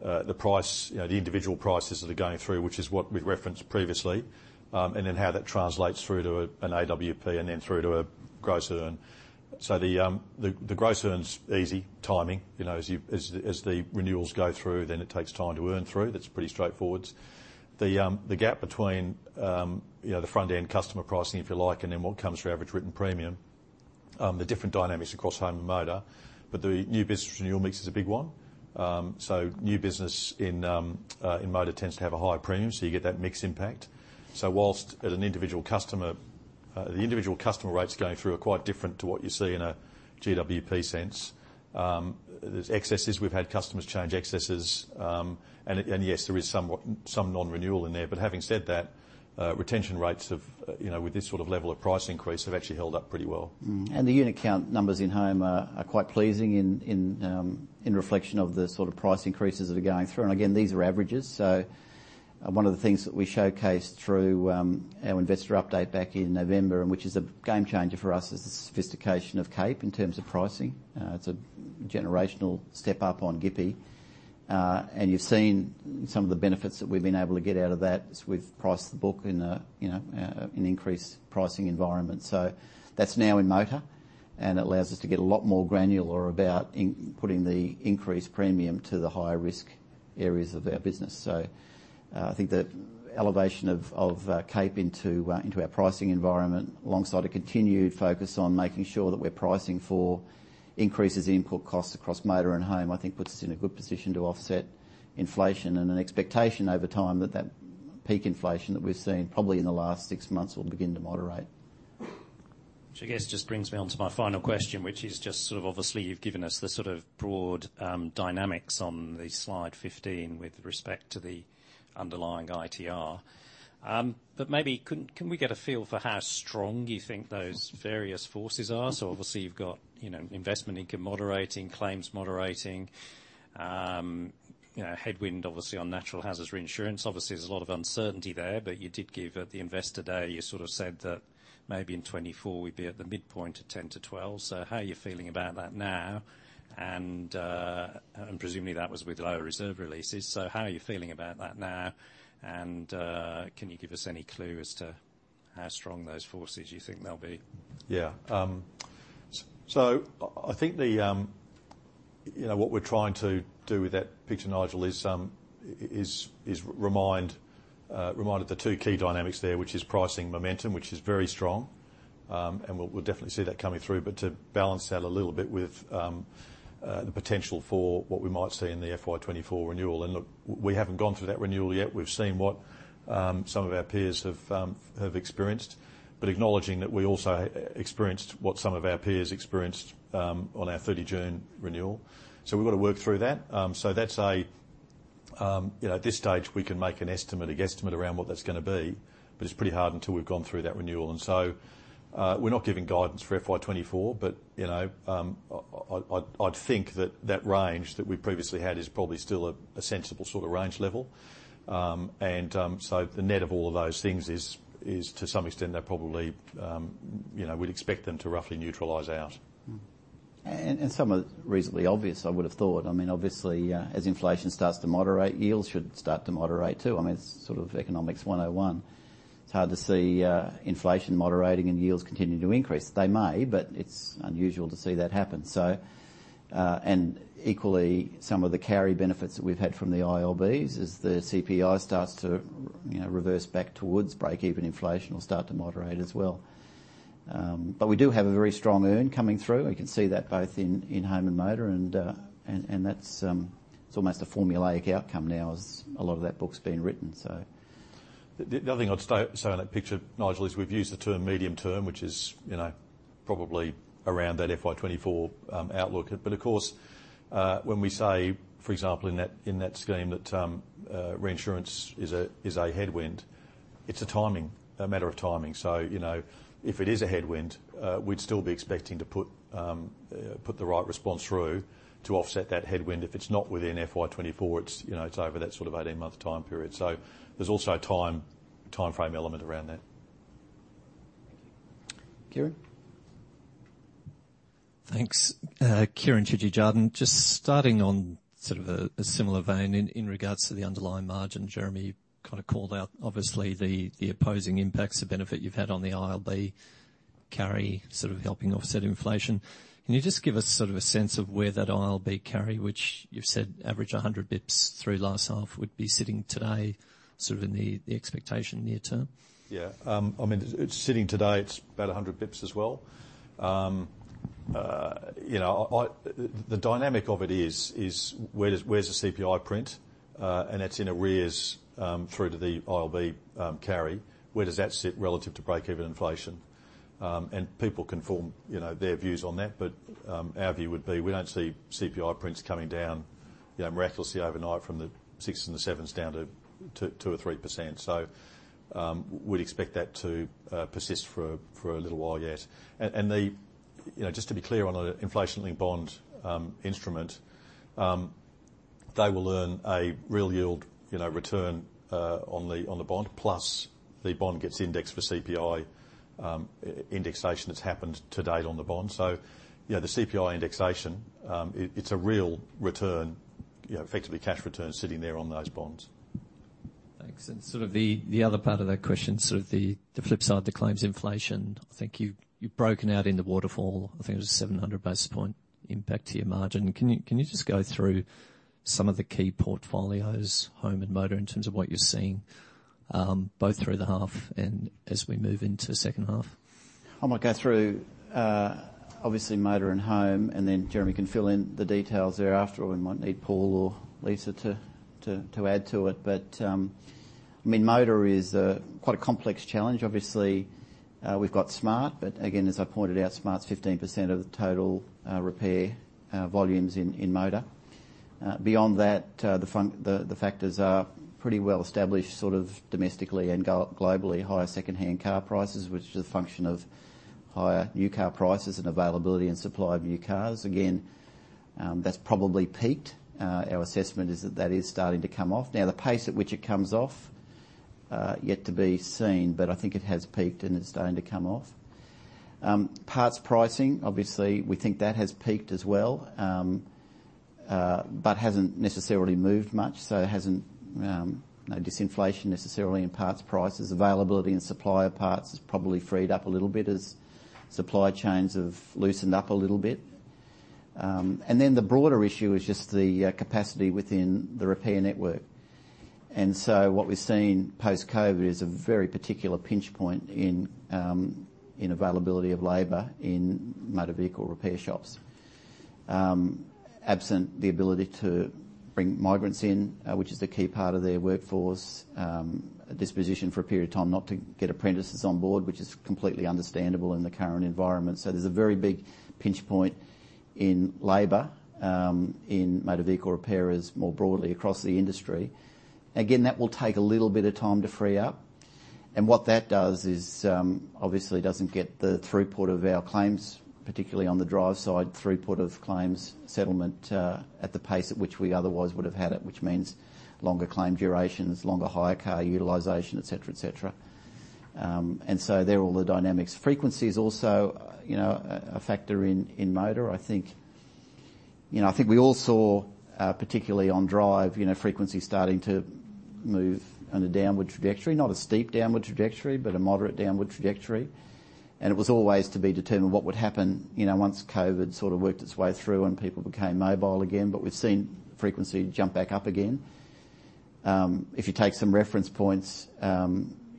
Speaker 2: the price, you know, the individual prices that are going through, which is what we've referenced previously, and then how that translates through to an AWP and then through to a gross earn. The gross earn's easy timing. You know, as the renewals go through, then it takes time to earn through. That's pretty straightforward. The gap between, you know, the front-end customer pricing, if you like, and then what comes through average written premium. The different dynamics across home and motor, but the new business renewal mix is a big one. New business in motor tends to have a higher premium, so you get that mix impact. Whilst at an individual customer, the individual customer rates going through are quite different to what you see in a GWP sense. There's excesses, we've had customers change excesses, and yes, there is some non-renewal in there. Having said that, retention rates have, you know, with this sort of level of price increase, have actually held up pretty well.
Speaker 1: The unit count numbers in Home are quite pleasing in reflection of the sort of price increases that are going through. Again, these are averages. One of the things that we showcased through our investor update back in November, and which is a game changer for us, is the sophistication of CAPE in terms of pricing. It's a generational step up on GWP. You've seen some of the benefits that we've been able to get out of that as we've priced the book in a, you know, an increased pricing environment. That's now in motor, and it allows us to get a lot more granular about putting the increased premium to the higher risk areas of our business. I think the elevation of CAPE into our pricing environment, alongside a continued focus on making sure that we're pricing for increases in input costs across motor and home, I think puts us in a good position to offset inflation. An expectation over time that that peak inflation that we've seen probably in the last six months will begin to moderate.
Speaker 3: I guess just brings me on to my final question, which is just sort of obviously you've given us the sort of broad dynamics on the slide 15 with respect to the underlying ITR. Maybe can we get a feel for how strong you think those various forces are? Obviously you've got, you know, investment income moderating, claims moderating, you know, headwind obviously on natural hazards reinsurance. Obviously there's a lot of uncertainty there, but you did give at the Investor Day, you sort of said that maybe in 2024 we'd be at the midpoint of 10-12. How are you feeling about that now? Presumably that was with lower reserve releases. How are you feeling about that now? Can you give us any clue as to how strong those forces you think they'll be?
Speaker 2: Yeah. I think the, you know, what we're trying to do with that picture, Nigel, is remind of the two key dynamics there, which is pricing momentum, which is very strong. We'll definitely see that coming through. To balance that a little bit with the potential for what we might see in the FY 2024 renewal. Look, we haven't gone through that renewal yet. We've seen what some of our peers have experienced. Acknowledging that we also experienced what some of our peers experienced on our 30 June renewal. We've got to work through that. That's a, you know, at this stage, we can make an estimate, a guesstimate around what that's gonna be, but it's pretty hard until we've gone through that renewal. We're not giving guidance for FY24, but, you know, I'd think that that range that we previously had is probably still a sensible sort of range level. The net of all of those things is to some extent they're probably, you know, we'd expect them to roughly neutralize out.
Speaker 1: Some are reasonably obvious, I would've thought. I mean, obviously, as inflation starts to moderate, yields should start to moderate too. I mean, it's sort of economics 101. It's hard to see inflation moderating and yields continuing to increase. They may, but it's unusual to see that happen. Equally, some of the carry benefits that we've had from the ILBs as the CPI starts to, you know, reverse back towards breakeven inflation will start to moderate as well. We do have a very strong earn coming through. We can see that both in Home and Motor and that's, it's almost a formulaic outcome now as a lot of that book's been written so.
Speaker 2: The other thing I'd state, say on that picture, Nigel, is we've used the term medium term, which is, you know, probably around that FY 2024 outlook. Of course, when we say, for example, in that scheme that reinsurance is a headwind, it's a matter of timing. You know, if it is a headwind, we'd still be expecting to put the right response through to offset that headwind. If it's not within FY 2024, it's, you know, it's over that sort of 18-month time period. There's also a timeframe element around that.
Speaker 1: Kieren?
Speaker 4: Thanks. Kieren Chidgey, Jarden. Just starting on sort of a similar vein in regards to the underlying margin, Jeremy, you kind of called out obviously the opposing impacts, the benefit you've had on the ILB carry, sort of helping offset inflation. Can you just give us sort of a sense of where that ILB carry, which you've said average 100 basis points through last half, would be sitting today, sort of in the expectation near term?
Speaker 2: Yeah. I mean, it's sitting today, it's about 100 basis points as well. you know, The dynamic of it is where's the CPI print? It's in arrears, through to the ILB, carry. Where does that sit relative to breakeven inflation? People can form, you know, their views on that. Our view would be we don't see CPI prints coming down, you know, miraculously overnight from the six and 7s down to 2% or 3%. We'd expect that to persist for a little while yet. And the. You know, just to be clear on an inflation-linked bond instrument, they will earn a real yield, you know, return on the bond, plus the bond gets indexed for CPI indexation that's happened to date on the bond. You know, the CPI indexation, it's a real return, you know, effectively cash return sitting there on those bonds.
Speaker 4: Thanks. Sort of the other part of that question, sort of the flip side, the claims inflation, I think you've broken out in the waterfall, I think it was 700 basis point impact to your margin. Can you just go through some of the key portfolios, Home and Motor, in terms of what you're seeing?
Speaker 2: Both through the half and as we move into second half.
Speaker 1: I'm going to go through, obviously motor and home, and then Jeremy can fill in the details thereafter, or we might need Paul or Lisa to add to it. I mean, motor is quite a complex challenge. Obviously, we've got Smart, but again, as I pointed out, Smart's 15% of the total repair volumes in motor. Beyond that, the factors are pretty well established, sort of domestically and globally. Higher second-hand car prices, which is a function of higher new car prices and availability and supply of new cars. Again, that's probably peaked. Our assessment is that that is starting to come off. Now, the pace at which it comes off, yet to be seen, but I think it has peaked and it's starting to come off. Parts pricing, obviously we think that has peaked as well, but hasn't necessarily moved much, so it hasn't no disinflation necessarily in parts prices. Availability and supply of parts has probably freed up a little bit as supply chains have loosened up a little bit. The broader issue is just the capacity within the repair network. What we've seen post-COVID is a very particular pinch point in availability of labor in motor vehicle repair shops. Absent the ability to bring migrants in, which is a key part of their workforce, a disposition for a period of time not to get apprentices on board, which is completely understandable in the current environment. There's a very big pinch point in labor in motor vehicle repairers more broadly across the industry. That will take a little bit of time to free up. What that does is, obviously doesn't get the throughput of our claims, particularly on the drive side, throughput of claims settlement, at the pace at which we otherwise would have had it, which means longer claim durations, longer hire car utilization, et cetera, et cetera. They're all the dynamics. Frequency is also, you know, a factor in motor. I think, you know, I think we all saw, particularly on drive, you know, frequency starting to move on a downward trajectory. Not a steep downward trajectory, but a moderate downward trajectory. It was always to be determined what would happen, you know, once COVID sort of worked its way through and people became mobile again. We've seen frequency jump back up again. If you take some reference points,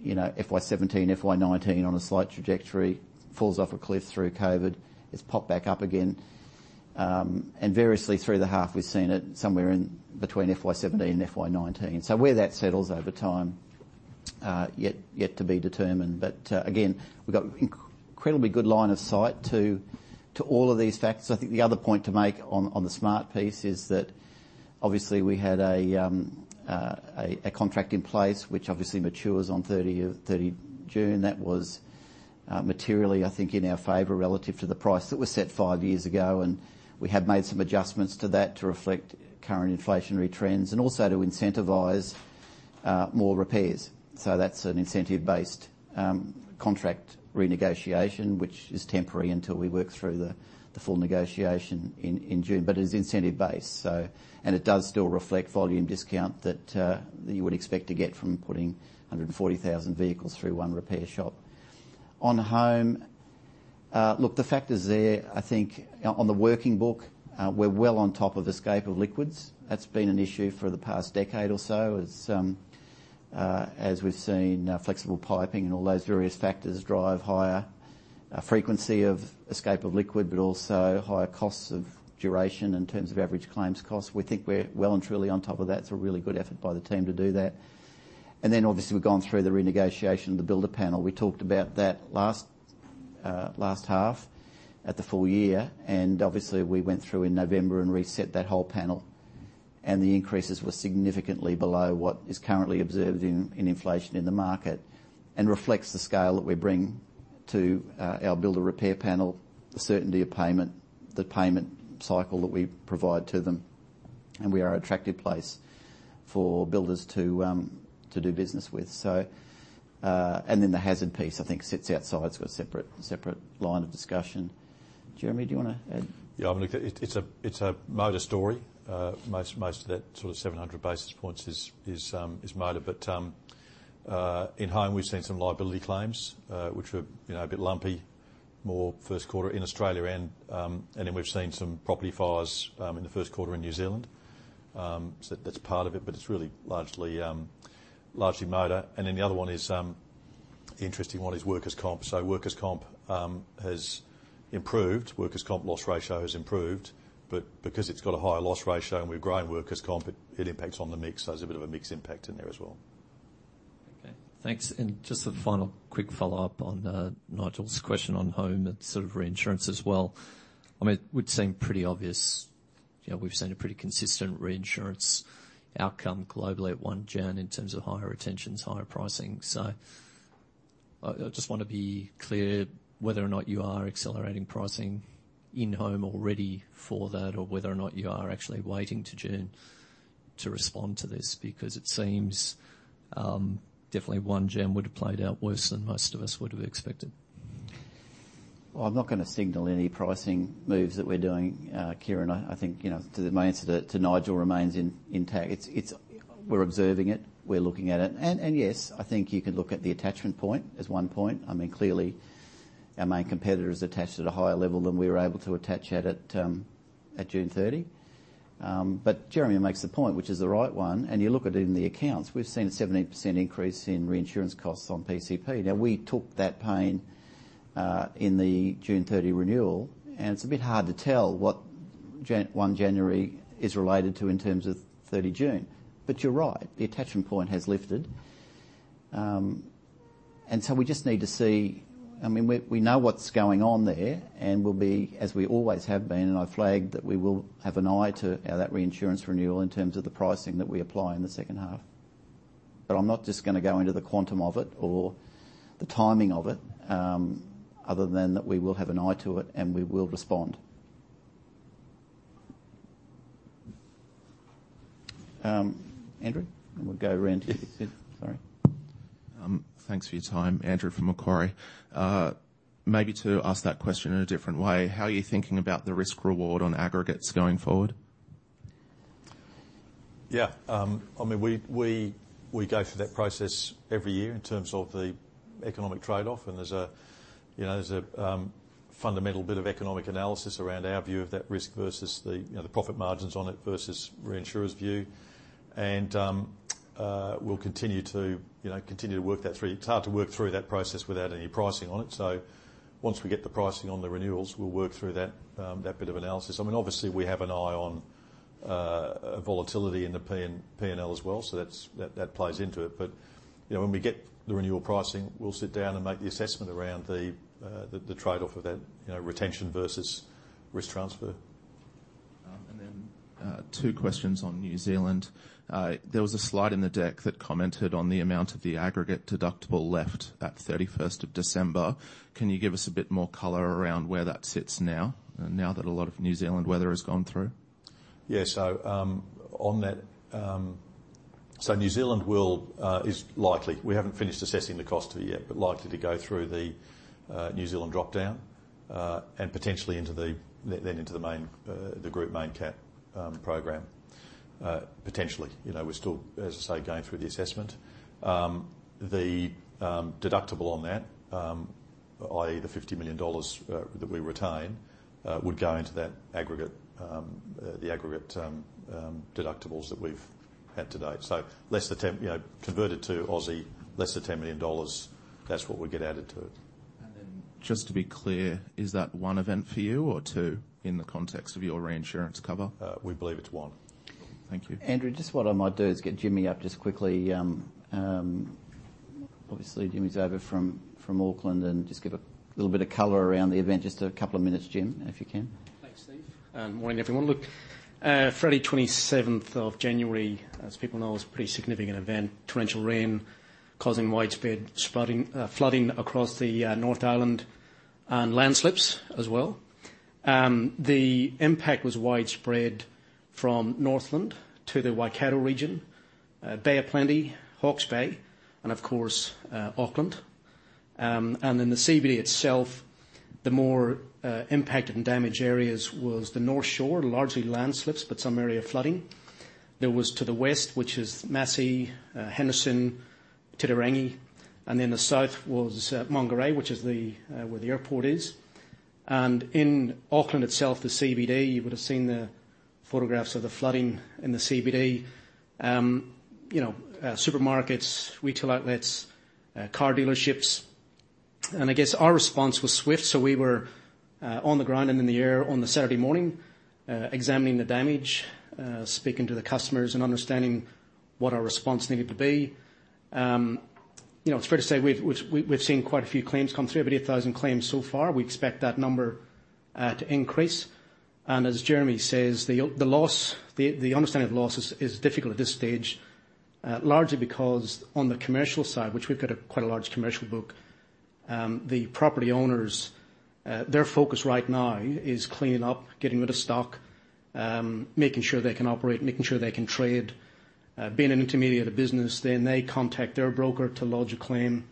Speaker 1: you know, FY 2017, FY 2019 on a slight trajectory falls off a cliff through COVID. It's popped back up again. Variously through the half, we've seen it somewhere in between FY 2017 and FY 2019. Where that settles over time, yet to be determined. Again, we've got incredibly good line of sight to all of these factors. I think the other point to make on the Smart piece is that obviously we had a contract in place which obviously matures on 30 June. That was materially, I think, in our favor relative to the price that was set five years ago. We have made some adjustments to that to reflect current inflationary trends and also to incentivize more repairs. That's an incentive-based contract renegotiation, which is temporary until we work through the full negotiation in June. It is incentive based, so. It does still reflect volume discount that you would expect to get from putting 140,000 vehicles through one repair shop. On home, look, the fact is there, I think on the working book, we're well on top of escape of liquids. That's been an issue for the past decade or so as we've seen flexible piping and all those various factors drive higher frequency of escape of liquid, but also higher costs of duration in terms of average claims cost. We think we're well and truly on top of that. It's a really good effort by the team to do that. Obviously we've gone through the renegotiation of the builder panel. We talked about that last half at the full year, and obviously we went through in November and reset that whole panel. The increases were significantly below what is currently observed in inflation in the market and reflects the scale that we bring to our builder repair panel, the certainty of payment, the payment cycle that we provide to them. We are an attractive place for builders to do business with, so. The hazard piece, I think sits outside, so a separate line of discussion. Jeremy, do you wanna add?
Speaker 2: Yeah, I mean, look, it's a motor story. Most of that sort of 700 basis points is motor. In home, we've seen some liability claims, which were, you know, a bit lumpy, more first quarter in Australia. We've seen some property fires in the first quarter in New Zealand. That's part of it's really largely motor. The other one is interesting one is workers' comp. Workers' comp has improved. Workers' comp loss ratio has improved because it's got a higher loss ratio and we've grown workers' comp, it impacts on the mix. There's a bit of a mix impact in there as well.
Speaker 4: Okay. Thanks. Just a final quick follow-up on Nigel's question on home and sort of reinsurance as well. I mean, it would seem pretty obvious, you know, we've seen a pretty consistent reinsurance outcome globally at one gen in terms of higher retentions, higher pricing. I just wanna be clear whether or not you are accelerating pricing in-home already for that or whether or not you are actually waiting to June to respond to this because it seems, definitely one gen would have played out worse than most of us would have expected.
Speaker 1: I'm not gonna signal any pricing moves that we're doing, Kieren. I think, you know, to my answer to Nigel remains intact. It's we're observing it, we're looking at it. Yes, I think you can look at the attachment point as one point. I mean, our main competitor is attached at a higher level than we were able to attach at June 30. Jeremy makes the point, which is the right one, and you look at it in the accounts. We've seen a 17% increase in reinsurance costs on PCP. Now, we took that pain in the June 30 renewal, and it's a bit hard to tell what 1 January is related to in terms of 30 June. You're right, the attachment point has lifted. We just need to see... I mean, we know what's going on there, and we'll be, as we always have been, and I flagged that we will have an eye to that reinsurance renewal in terms of the pricing that we apply in the second half. I'm not just gonna go into the quantum of it or the timing of it, other than that we will have an eye to it, and we will respond. Andrew, we'll go around here. Sorry.
Speaker 5: Thanks for your time. Andrew from Macquarie. Maybe to ask that question in a different way, how are you thinking about the risk reward on aggregates going forward?
Speaker 2: Yeah. I mean, we go through that process every year in terms of the economic trade-off, there's a, you know, there's a fundamental bit of economic analysis around our view of that risk versus the, you know, the profit margins on it versus reinsurers' view. We'll continue to, you know, continue to work that through. It's hard to work through that process without any pricing on it. Once we get the pricing on the renewals, we'll work through that bit of analysis. I mean, obviously, we have an eye on volatility in the P&L as well, that plays into it. You know, when we get the renewal pricing, we'll sit down and make the assessment around the trade-off of that, you know, retention versus risk transfer.
Speaker 5: Two questions on New Zealand. There was a slide in the deck that commented on the amount of the aggregate deductible left at 31st of December. Can you give us a bit more color around where that sits now? Now that a lot of New Zealand weather has gone through.
Speaker 2: Yeah. On that, New Zealand will is likely. We haven't finished assessing the cost of it yet, but likely to go through the New Zealand drop-down and potentially into the main the group main cap program potentially. You know, we're still, as I say, going through the assessment. The deductible on that, i.e., the 50 million dollars that we retain, would go into that aggregate the aggregate deductibles that we've had to date. You know, converted to Aussie, less the 10 million dollars, that's what would get added to it.
Speaker 5: Just to be clear, is that one event for you or two in the context of your reinsurance cover?
Speaker 2: We believe it's one.
Speaker 5: Thank you.
Speaker 1: Andrew, just what I might do is get Jimmy up just quickly. Obviously, Jimmy's over from Auckland, and just give a little bit of color around the event. Just a couple of minutes, Jim, if you can.
Speaker 6: Thanks, Steve. Morning, everyone. Look, Friday, 27th of January, as people know, was a pretty significant event. Torrential rain causing widespread splooding, flooding across the North Island, and landslips as well. The impact was widespread from Northland to the Waikato region, Bay of Plenty, Hawke's Bay, and of course, Auckland. In the CBD itself, the more impacted and damaged areas was the North Shore, largely landslips, but some area flooding. There was to the west, which is Massey, Henderson, Titirangi, and then the south was Mangere, which is the where the airport is. In Auckland itself, the CBD, you would have seen the photographs of the flooding in the CBD. You know, supermarkets, retail outlets, car dealerships. I guess our response was swift, so we were on the ground and in the air on the Saturday morning, examining the damage, speaking to the customers and understanding what our response needed to be. You know, it's fair to say we've seen quite a few claims come through, over 8,000 claims so far. We expect that number to increase. As Jeremy says, the loss, the understanding of the loss is difficult at this stage, largely because on the commercial side, which we've got a quite a large commercial book, the property owners, their focus right now is cleaning up, getting rid of stock, making sure they can operate, making sure they can trade, being an intermediary of the business. They contact their broker to lodge a claim.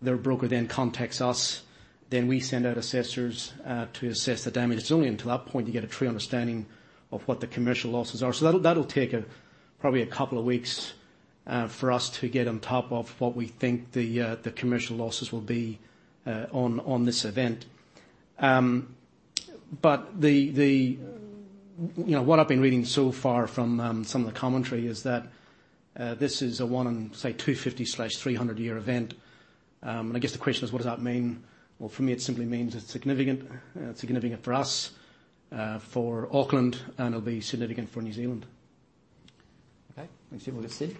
Speaker 6: Their broker then contacts us, then we send out assessors to assess the damage. It's only until that point you get a true understanding of what the commercial losses are. That'll take probably a couple of weeks for us to get on top of what we think the commercial losses will be on this event. You know, what I've been reading so far from some of the commentary is that this is a one in, say, 250/300 year event. I guess the question is, what does that mean? For me, it simply means it's significant. It's significant for us, for Auckland, and it'll be significant for New Zealand.
Speaker 1: Okay. Thanks for your input, Steve.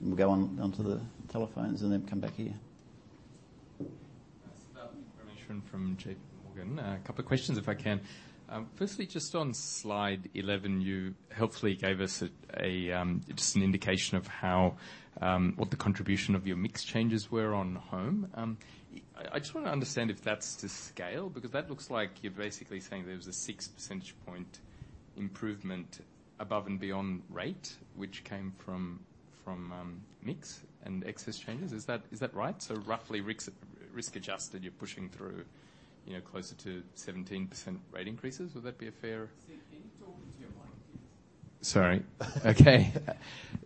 Speaker 1: We'll go on, onto the telephones and then come back here.
Speaker 7: Siddharth Parameswaran from JPMorgan. A couple of questions, if I can. Firstly, just on slide 11, you helpfully gave us a just an indication of how What the contribution of your mix changes were on home. I just wanna understand if that's to scale, because that looks like you're basically saying there was a 6 percentage point improvement above and beyond rate, which came from mix and excess changes. Is that right? Roughly risk adjusted, you're pushing through, you know, closer to 17% rate increases. Would that be a fair-
Speaker 1: Steve, can you talk into your mic, please?
Speaker 7: Sorry. Okay.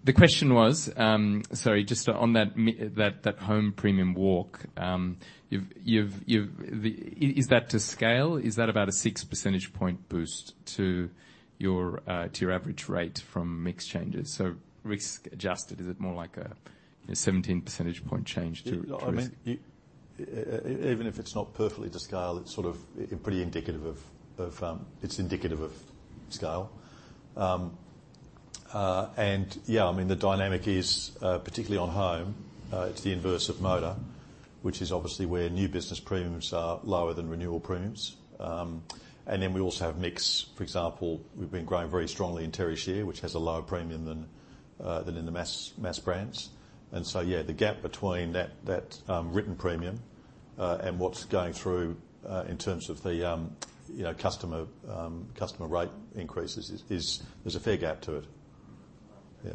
Speaker 7: The question was, sorry, just on that home premium walk, you've, is that to scale? Is that about a six percentage point boost to your average rate from mix changes? Risk adjusted, is it more like a 17 percentage point change.
Speaker 2: I mean, even if it's not perfectly to scale, it's sort of pretty indicative of scale. Yeah, I mean the dynamic is particularly on home, it's the inverse of motor, which is obviously where new business premiums are lower than renewal premiums. Then we also have mix, for example. We've been growing very strongly in Terri Scheer, which has a lower premium than in the mass brands. Yeah, the gap between that written premium and what's going through in terms of the, you know, customer rate increases is there's a fair gap to it. Yeah.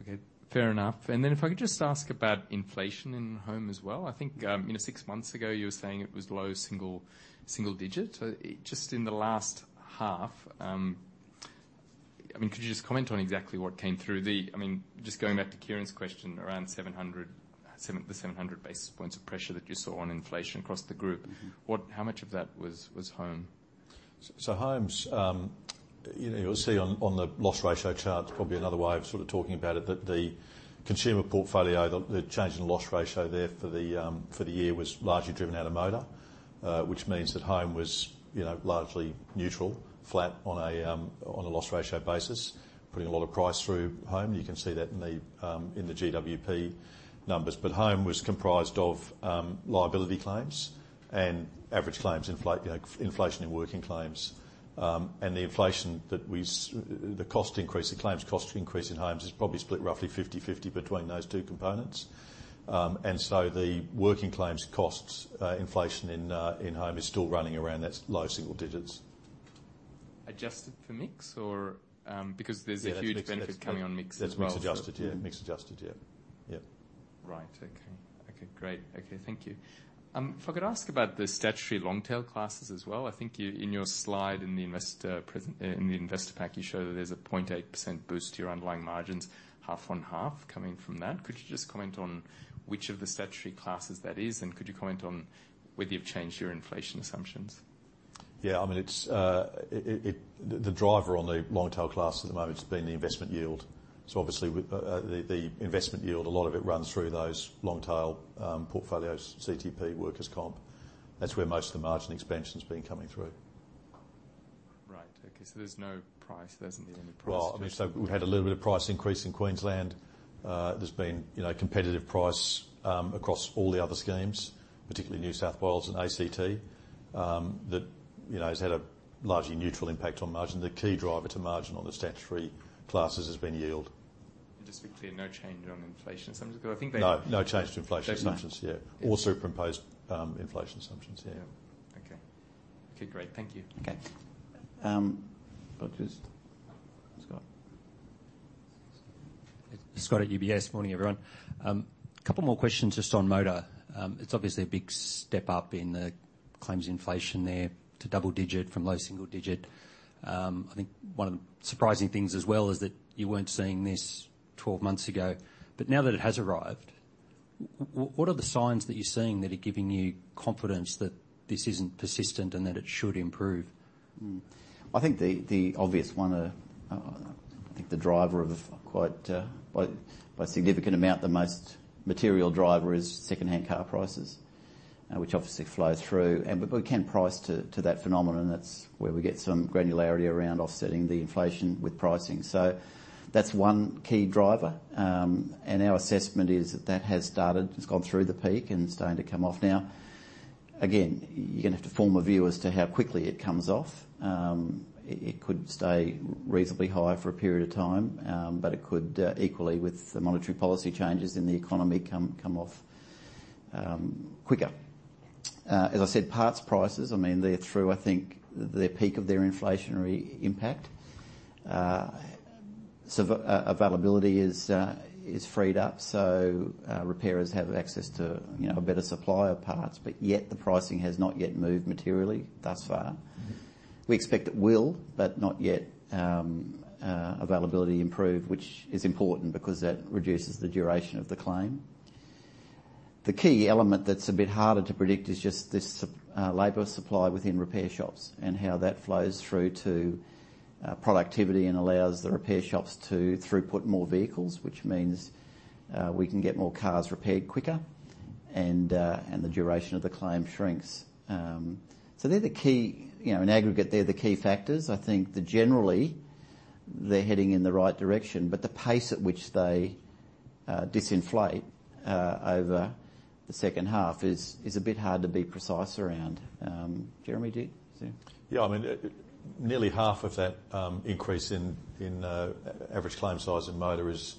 Speaker 7: Okay. Fair enough. If I could just ask about inflation in home as well. I think, you know, six months ago you were saying it was low single-digit. Just in the last half, I mean could you just comment on exactly what came through. I mean, just going back to Kieren's question, around 700, the 700 basis points of pressure that you saw on inflation across the group. How much of that was home?
Speaker 2: Homes, you know, you'll see on the loss ratio chart, probably another way of sort of talking about it, that the consumer portfolio, the change in loss ratio there for the year was largely driven out of motor. Which means that home was, you know, largely neutral, flat on a loss ratio basis, putting a lot of price through home. You can see that in the GWP numbers. Home was comprised of liability claims and average claims inflate, you know, inflation in working claims, and the cost increase, the claims cost increase in homes is probably split roughly 50/50 between those two components. The working claims costs, inflation in home is still running around. That's low single digits.
Speaker 7: Adjusted for mix or, because there's a huge benefit coming on mix as well.
Speaker 2: That's mix adjusted, yeah. Mix adjusted, yeah. Yeah.
Speaker 7: Right. Okay. Okay, great. Okay, thank you. If I could ask about the statutory long tail classes as well. I think you, in your slide in the investor pack, you show that there's a 0.8% boost to your underlying margins, half on half coming from that. Could you just comment on which of the statutory classes that is? Could you comment on whether you've changed your inflation assumptions?
Speaker 2: I mean, the driver on the long tail class at the moment has been the investment yield. Obviously with the investment yield, a lot of it runs through those long tail portfolios, CTP, workers' comp. That's where most of the margin expansion's been coming through.
Speaker 7: Right. Okay. there's no price, there doesn't need any price-.
Speaker 2: We've had a little bit of price increase in Queensland. There's been, you know, competitive price across all the other schemes, particularly New South Wales and ACT that, you know, has had a largely neutral impact on margin. The key driver to margin on the statutory classes has been yield.
Speaker 7: Just to be clear, no change on inflation assumptions, because I think.
Speaker 2: No, no change to inflation assumptions, yeah.
Speaker 7: They've-
Speaker 2: All superimposed, inflation assumptions, yeah.
Speaker 7: Okay. Okay, great. Thank you.
Speaker 2: Okay. I'll just... Scott.
Speaker 8: Morning, everyone. A couple more questions just on motor. It's obviously a big step up in the claims inflation there to double digit from low single digit. I think one of the surprising things as well is that you weren't seeing this 12 months ago. Now that it has arrived, what are the signs that you're seeing that are giving you confidence that this isn't persistent and that it should improve?
Speaker 1: I think the obvious one, I think the driver of quite by a significant amount, the most material driver is secondhand car prices, which obviously flow through. We can price to that phenomenon. That's where we get some granularity around offsetting the inflation with pricing. That's one key driver. Our assessment is that that has started, it's gone through the peak and starting to come off now. Again, you're gonna have to form a view as to how quickly it comes off. It could stay reasonably high for a period of time. It could equally, with the monetary policy changes in the economy, come off quicker. As I said, parts prices, I mean, they're through, I think, the peak of their inflationary impact. Availability is freed up. Repairers have access to, you know, a better supply of parts. Yet the pricing has not yet moved materially thus far. We expect it will, but not yet, availability improve, which is important because that reduces the duration of the claim. The key element that's a bit harder to predict is just this labor supply within repair shops and how that flows through to productivity and allows the repair shops to throughput more vehicles, which means we can get more cars repaired quicker and the duration of the claim shrinks. They're the key, you know, in aggregate, they're the key factors. I think that generally they're heading in the right direction, but the pace at which they disinflate over the second half is a bit hard to be precise around. Jeremy did say.
Speaker 2: I mean, nearly half of that increase in average claim size in motor is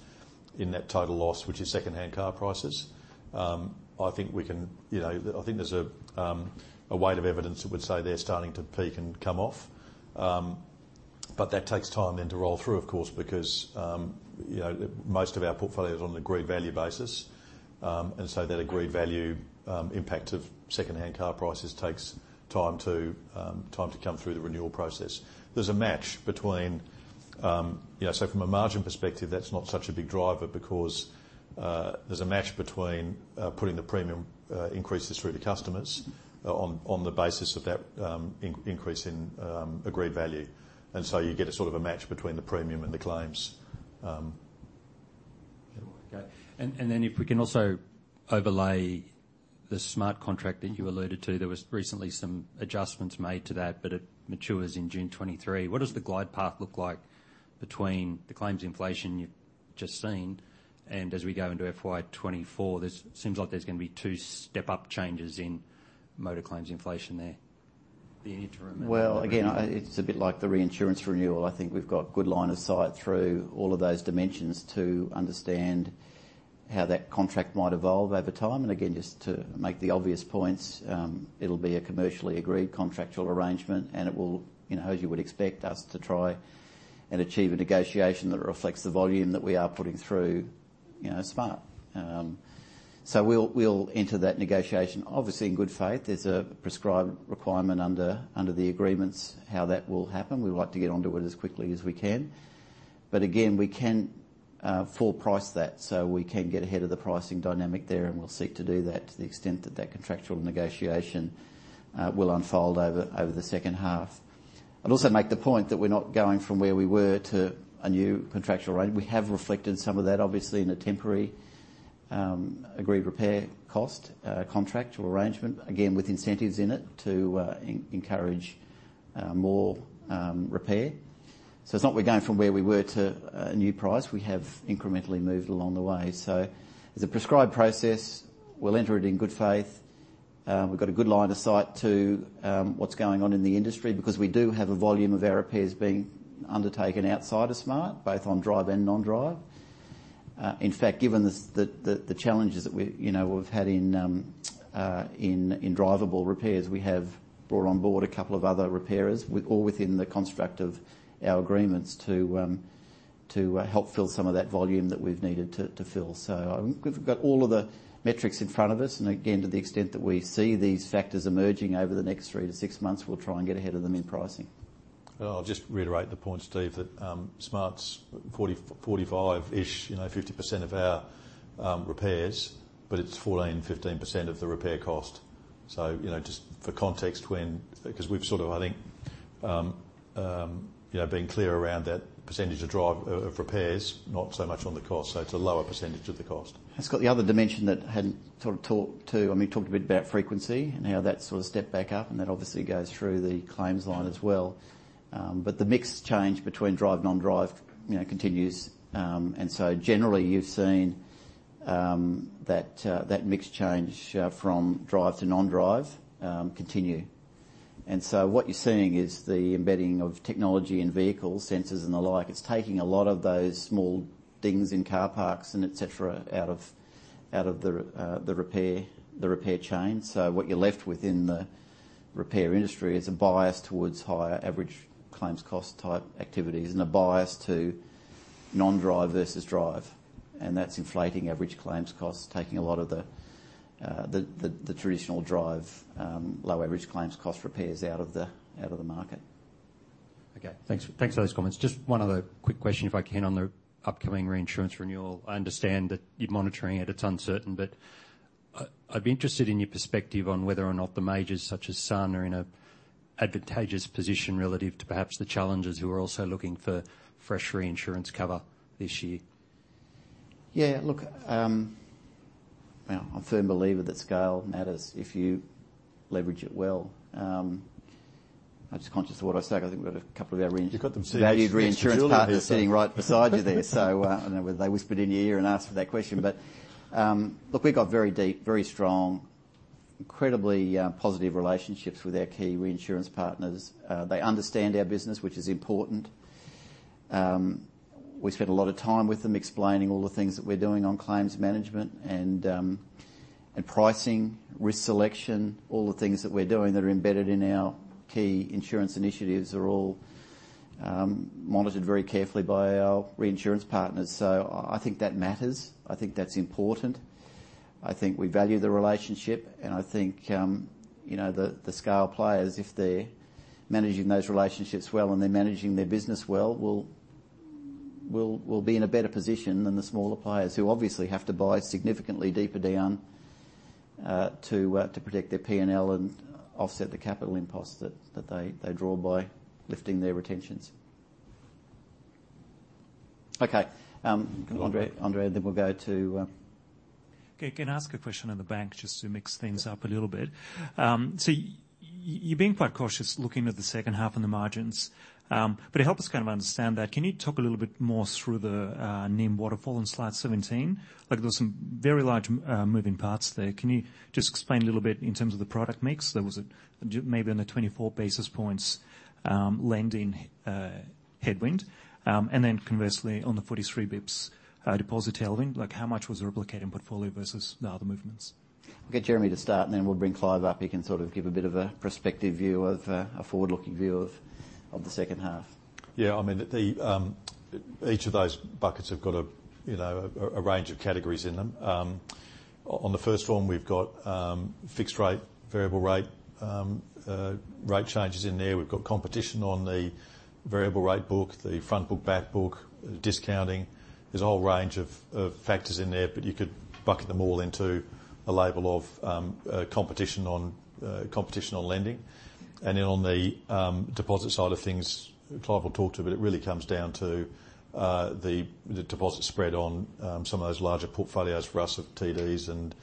Speaker 2: in that total loss, which is secondhand car prices. I think we can, you know, I think there's a weight of evidence that would say they're starting to peak and come off. That takes time then to roll through, of course, because, you know, most of our portfolio is on agreed value basis. And so that agreed value impact of secondhand car prices takes time to time to come through the renewal process. There's a match between. You know, so from a margin perspective, that's not such a big driver because there's a match between putting the premium increases through the customers on the basis of that increase in agreed value. You get a sort of a match between the premium and the claims.
Speaker 8: Okay. Then if we can also overlay the SMART contract that you alluded to. There was recently some adjustments made to that, but it matures in June 2023. What does the glide path look like between the claims inflation you've just seen and as we go into FY 2024? seems like there's gonna be two step-up changes in motor claims inflation there. The interim and the-
Speaker 1: Well, again, it's a bit like the reinsurance renewal. I think we've got good line of sight through all of those dimensions to understand how that contract might evolve over time. Again, just to make the obvious points, it'll be a commercially agreed contractual arrangement, and it will, you know, as you would expect us to try and achieve a negotiation that reflects the volume that we are putting through, you know, SMART. We'll enter that negotiation, obviously in good faith. There's a prescribed requirement under the agreements, how that will happen. We'd like to get onto it as quickly as we can. Again, we can full price that so we can get ahead of the pricing dynamic there, and we'll seek to do that to the extent that that contractual negotiation will unfold over the second half. I'd also make the point that we're not going from where we were to a new contractual arrangement. We have reflected some of that, obviously, in a temporary, agreed repair cost, contractual arrangement. Again, with incentives in it to encourage more repair. It's not we're going from where we were to a new price. We have incrementally moved along the way. There's a prescribed process. We'll enter it in good faith. We've got a good line of sight to what's going on in the industry because we do have a volume of our repairs being undertaken outside of SMART, both on drive and non-drive. In fact, given the challenges that we're, you know, we've had in drivable repairs, we have brought on board 2 other repairers all within the construct of our agreements to help fill some of that volume that we've needed to fill. We've got all of the metrics in front of us, and again, to the extent that we see these factors emerging over the next 3-6 months, we'll try and get ahead of them in pricing.
Speaker 2: I'll just reiterate the point, Steve, that SMART's 40, 45-ish, you know, 50% of our repairs, but it's 14, 15% of the repair cost. You know, just for context when, because we've sort of, I think, you know, been clear around that percentage of repairs, not so much on the cost. It's a lower percentage of the cost.
Speaker 1: It's got the other dimension that I hadn't sort of talked to. I mean, talked a bit about frequency and how that sort of stepped back up, and that obviously goes through the claims line as well. The mix change between drive, non-drive, you know, continues. Generally you've seen that mix change from drive to non-drive continue. What you're seeing is the embedding of technology in vehicles, sensors and the like. It's taking a lot of those small dings in car parks and et cetera out of the repair chain. What you're left with in the repair industry is a bias towards higher average claims cost type activities and a bias to non-drive versus drive. That's inflating average claims costs, taking a lot of the traditional drive, low average claims cost repairs out of the market.
Speaker 8: Okay. Thanks for those comments. Just one other quick question, if I can, on the upcoming reinsurance renewal. I understand that you're monitoring it's uncertain. I'd be interested in your perspective on whether or not the majors such as Suncorp are in a advantageous position relative to perhaps the challengers who are also looking for fresh reinsurance cover this year.
Speaker 1: Yeah. Look, well, I'm a firm believer that scale matters if you leverage it well. I'm just conscious of what I say because I think we've got a couple of our.
Speaker 2: You've got them sitting next to Julie here, so....
Speaker 1: valued reinsurance partners sitting right beside you there. I know they whispered in your ear and asked for that question. Look, we've got very deep, very strong, incredibly positive relationships with our key reinsurance partners. They understand our business, which is important. We spend a lot of time with them explaining all the things that we're doing on claims management and pricing, risk selection, all the things that we're doing that are embedded in our key insurance initiatives are all monitored very carefully by our reinsurance partners. I think that matters. I think that's important. I think we value the relationship, and I think, you know, the scale players, if they're managing those relationships well and they're managing their business well, we'll be in a better position than the smaller players who obviously have to buy significantly deeper down to protect their P&L and offset the capital impulse that they draw by lifting their retentions. Okay. Andre, then we'll go to
Speaker 9: Can I ask a question on the bank, just to mix things up a little bit? You're being quite cautious looking at the second half on the margins. Help us kind of understand that. Can you talk a little bit more through the NIM waterfall on slide 17? Like, there was some very large moving parts there. Can you just explain a little bit in terms of the product mix? There was a maybe on the 24 basis points lending headwind. Conversely on the 43 bps deposit tailwind, like how much was replicated in portfolio versus the other movements?
Speaker 1: Get Jeremy to start, and then we'll bring Clive up. He can sort of give a bit of a prospective view of, a forward-looking view of the second half.
Speaker 2: Yeah. I mean, the each of those buckets have got a, you know, a range of categories in them. On the first one, we've got fixed rate, variable rate changes in there. We've got competition on the variable rate book, the front book, back book, discounting. There's a whole range of factors in there, but you could bucket them all into a label of competition on competition on lending. On the deposit side of things, Clive will talk to, but it really comes down to the deposit spread on some of those larger portfolios for us of TDs and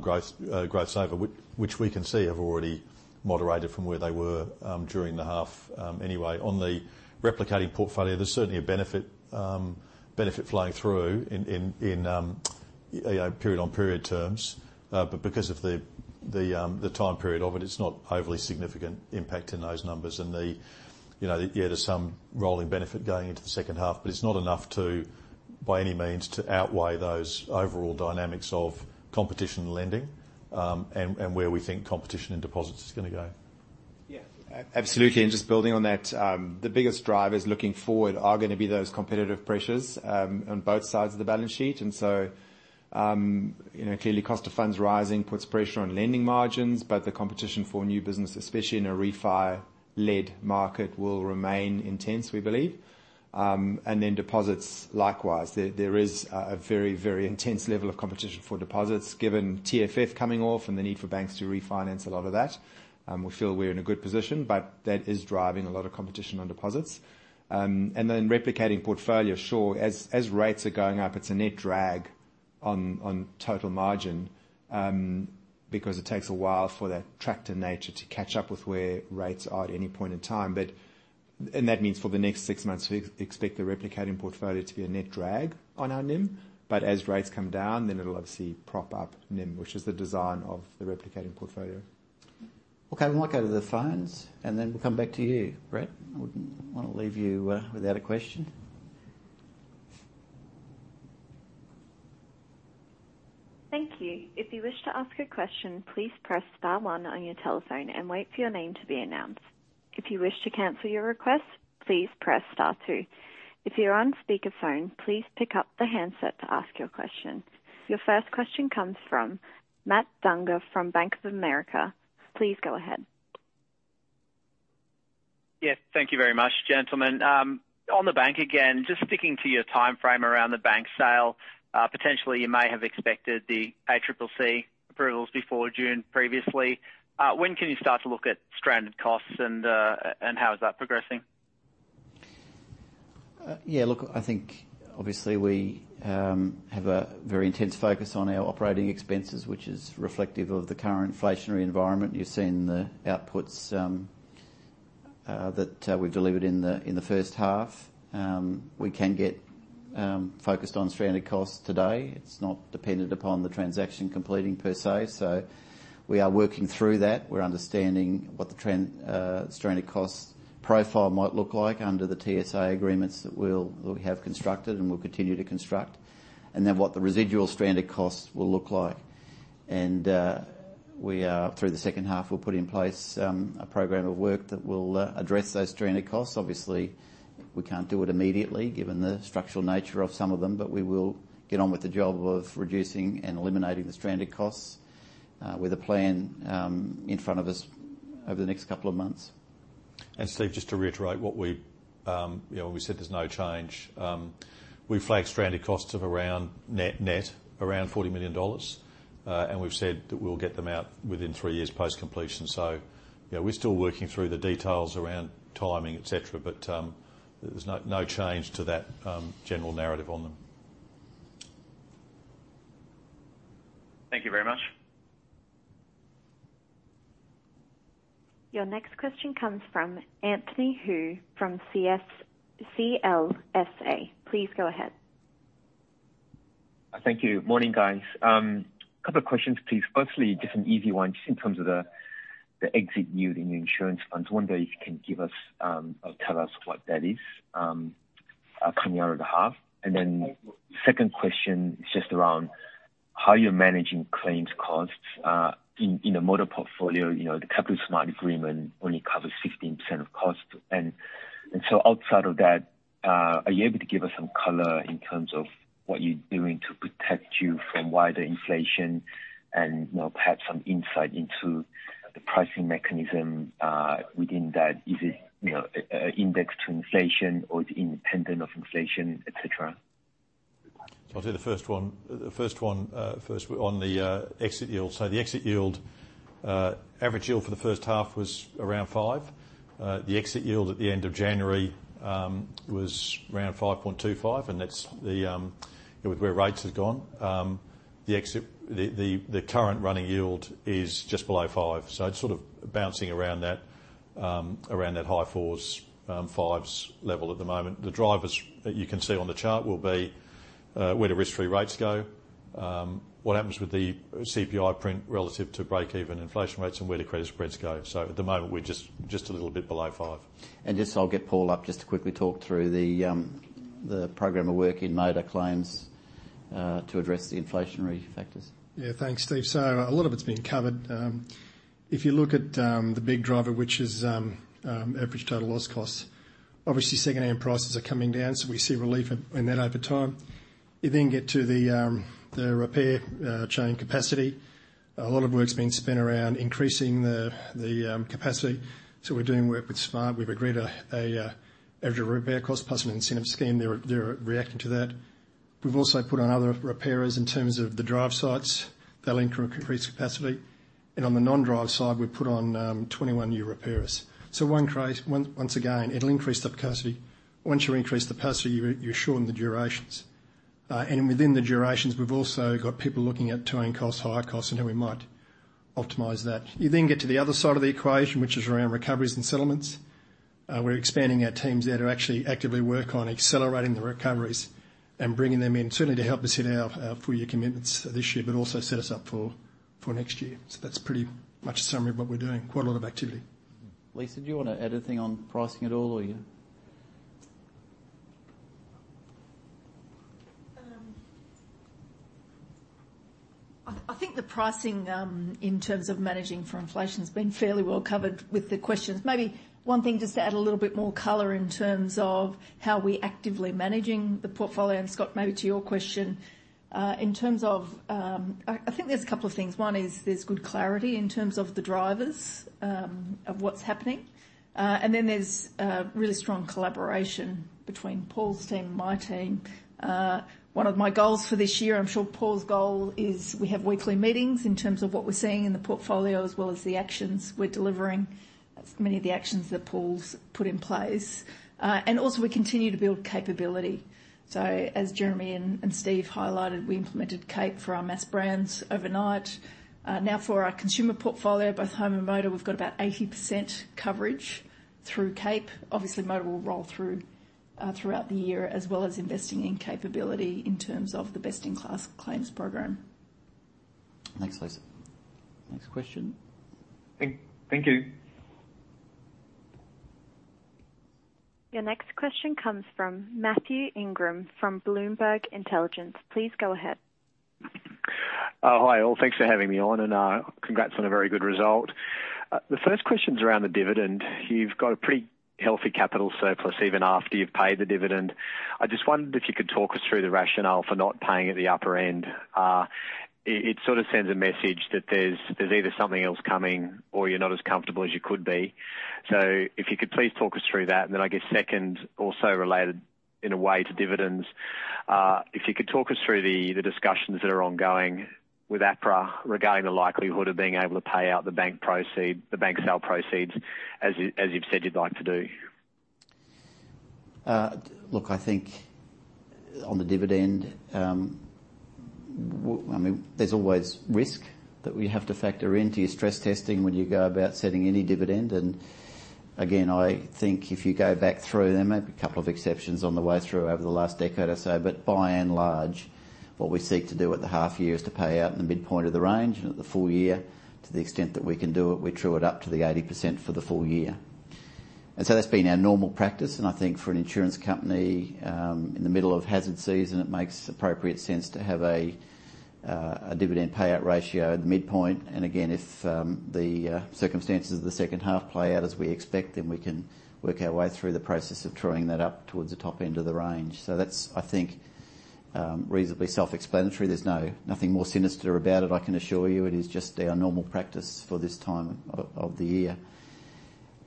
Speaker 2: growth saver, which we can see have already moderated from where they were during the half. Anyway, on the replicating portfolio, there's certainly a benefit flowing through in, you know, period-on-period terms. Because of the time period of it's not overly significant impact in those numbers and, you know, yeah, there's some rolling benefit going into the second half, but it's not enough to, by any means, to outweigh those overall dynamics of competition lending, and where we think competition in deposits is gonna go.
Speaker 10: Yeah. Absolutely. Just building on that, the biggest drivers looking forward are gonna be those competitive pressures on both sides of the balance sheet. You know, clearly cost of funds rising puts pressure on lending margins, but the competition for new business, especially in a refi-led market, will remain intense, we believe. Deposits, likewise. There is a very, very intense level of competition for deposits, given TFF coming off and the need for banks to refinance a lot of that. We feel we're in a good position, but that is driving a lot of competition on deposits.
Speaker 2: Replicating portfolio, sure, as rates are going up, it's a net drag on total margin because it takes a while for that tractor nature to catch up with where rates are at any point in time. That means for the next six months, we expect the replicating portfolio to be a net drag on our NIM. As rates come down, then it'll obviously prop up NIM, which is the design of the replicating portfolio.
Speaker 1: Okay. We'll now go to the phones, then we'll come back to you, Brett. Wouldn't wanna leave you, without a question.
Speaker 11: Thank you. If you wish to ask a question, please press star one on your telephone and wait for your name to be announced. If you wish to cancel your request, please press star two. If you're on speakerphone, please pick up the handset to ask your question. Your first question comes from Matt Dunger from Bank of America. Please go ahead.
Speaker 12: Yes. Thank you very much, gentlemen. On the bank again, just sticking to your timeframe around the bank sale, potentially you may have expected the ACCC approvals before June previously. When can you start to look at stranded costs and how is that progressing?
Speaker 1: Look, I think obviously we have a very intense focus on our operating expenses, which is reflective of the current inflationary environment. You've seen the outputs that we delivered in the first half. We can get focused on stranded costs today. It's not dependent upon the transaction completing per se. We are working through that. We're understanding what the stranded costs profile might look like under the TSA agreements that we have constructed and will continue to construct, and then what the residual stranded costs will look like. We are, through the second half, we'll put in place a program of work that will address those stranded costs. We can't do it immediately given the structural nature of some of them, but we will get on with the job of reducing and eliminating the stranded costs, with a plan in front of us over the next couple of months.
Speaker 2: Steve, just to reiterate what we, you know, when we said there's no change, we flagged stranded costs of around net around 40 million dollars. We've said that we'll get them out within 3 years post-completion. You know, we're still working through the details around timing, et cetera, but there's no change to that general narrative on them.
Speaker 12: Thank you very much.
Speaker 11: Your next question comes from Anthony Hoo from CLSA. Please go ahead.
Speaker 13: Thank you. Morning, guys. A couple of questions, please. Firstly, just an easy one, just in terms of the exit yield in the insurance funds. Wonder if you can give us or tell us what that is coming out of the half. Second question is just around how you're managing claims costs in the motor portfolio. You know, the Capital SMART agreement only covers 16% of costs. Outside of that, are you able to give us some color in terms of what you're doing to protect you from wider inflation and, you know, perhaps some insight into the pricing mechanism within that? Is it, you know, indexed to inflation or is it independent of inflation, et cetera?
Speaker 2: I'll do the first one. The first one, first on the exit yield. The exit yield average yield for the first half was around five. The exit yield at the end of January was around 5.25, and that's the where rates have gone. The exit, the current running yield is just below five. It's sort of bouncing around that around that high 4s, 5s level at the moment. The drivers that you can see on the chart will be where do risk-free rates go, what happens with the CPI print relative to break-even inflation rates, and where do credit spreads go. At the moment, we're just a little bit below five.
Speaker 1: Just I'll get Paul up just to quickly talk through the program of work in motor claims to address the inflationary factors.
Speaker 14: Yeah, thanks, Steve. A lot of it's been covered. If you look at the big driver, which is average total loss costs, obviously second-hand prices are coming down, so we see relief in that over time. You get to the repair chain capacity. A lot of work's been spent around increasing the capacity. We're doing work with SMA. We've agreed a average repair cost plus an incentive scheme. They're reacting to that. We've also put on other repairers in terms of the drive sites. They'll increase capacity. On the non-drive side, we've put on 21 new repairers. Once again, it'll increase the capacity. Once you increase the capacity, you're shortening the durations. Within the durations, we've also got people looking at towing costs, hire costs, and how we might optimize that. You then get to the other side of the equation, which is around recoveries and settlements. We're expanding our teams there to actually actively work on accelerating the recoveries and bringing them in. Certainly to help us hit our full year commitments this year, but also set us up for next year. That's pretty much a summary of what we're doing. Quite a lot of activity.
Speaker 1: Lisa, do you want to add anything on pricing at all or are you...
Speaker 15: I think the pricing in terms of managing for inflation has been fairly well covered with the questions. Maybe one thing, just to add a little bit more color in terms of how we're actively managing the portfolio, and Scott, maybe to your question. I think there's a couple of things. One is there's good clarity in terms of the drivers of what's happening. Then there's really strong collaboration between Paul's team and my team. One of my goals for this year, I'm sure Paul's goal is we have weekly meetings in terms of what we're seeing in the portfolio as well as the actions we're delivering. Many of the actions that Paul's put in place. Also we continue to build capability. As Jeremy and Steve highlighted, we implemented CAPE for our Mass brands overnight. Now for our consumer portfolio, both home and motor, we've got about 80% coverage through CAPE. Obviously, motor will roll through throughout the year, as well as investing in capability in terms of the best-in-class claims program.
Speaker 1: Thanks, Lisa. Next question. Thank you.
Speaker 11: Your next question comes from Matt Ingram from Bloomberg Intelligence. Please go ahead.
Speaker 16: Hi all. Thanks for having me on and congrats on a very good result. The first question's around the dividend. You've got a pretty healthy capital surplus even after you've paid the dividend. I just wondered if you could talk us through the rationale for not paying at the upper end. It sort of sends a message that there's either something else coming or you're not as comfortable as you could be. If you could please talk us through that, and then I guess second, also related in a way to dividends, if you could talk us through the discussions that are ongoing with APRA regarding the likelihood of being able to pay out the bank sale proceeds, as you've said you'd like to do.
Speaker 1: Look, I think on the dividend, I mean, there's always risk that we have to factor into your stress testing when you go about setting any dividend. Again, I think if you go back through them, a couple of exceptions on the way through over the last decade or so, but by and large, what we seek to do at the half year is to pay out in the midpoint of the range. At the full year, to the extent that we can do it, we true it up to the 80% for the full year. That's been our normal practice. I think for an insurance company, in the middle of hazard season, it makes appropriate sense to have a dividend payout ratio at the midpoint. Again, if the circumstances of the second half play out as we expect, then we can work our way through the process of truing that up towards the top end of the range. That's, I think, reasonably self-explanatory. There's nothing more sinister about it, I can assure you. It is just our normal practice for this time of the year.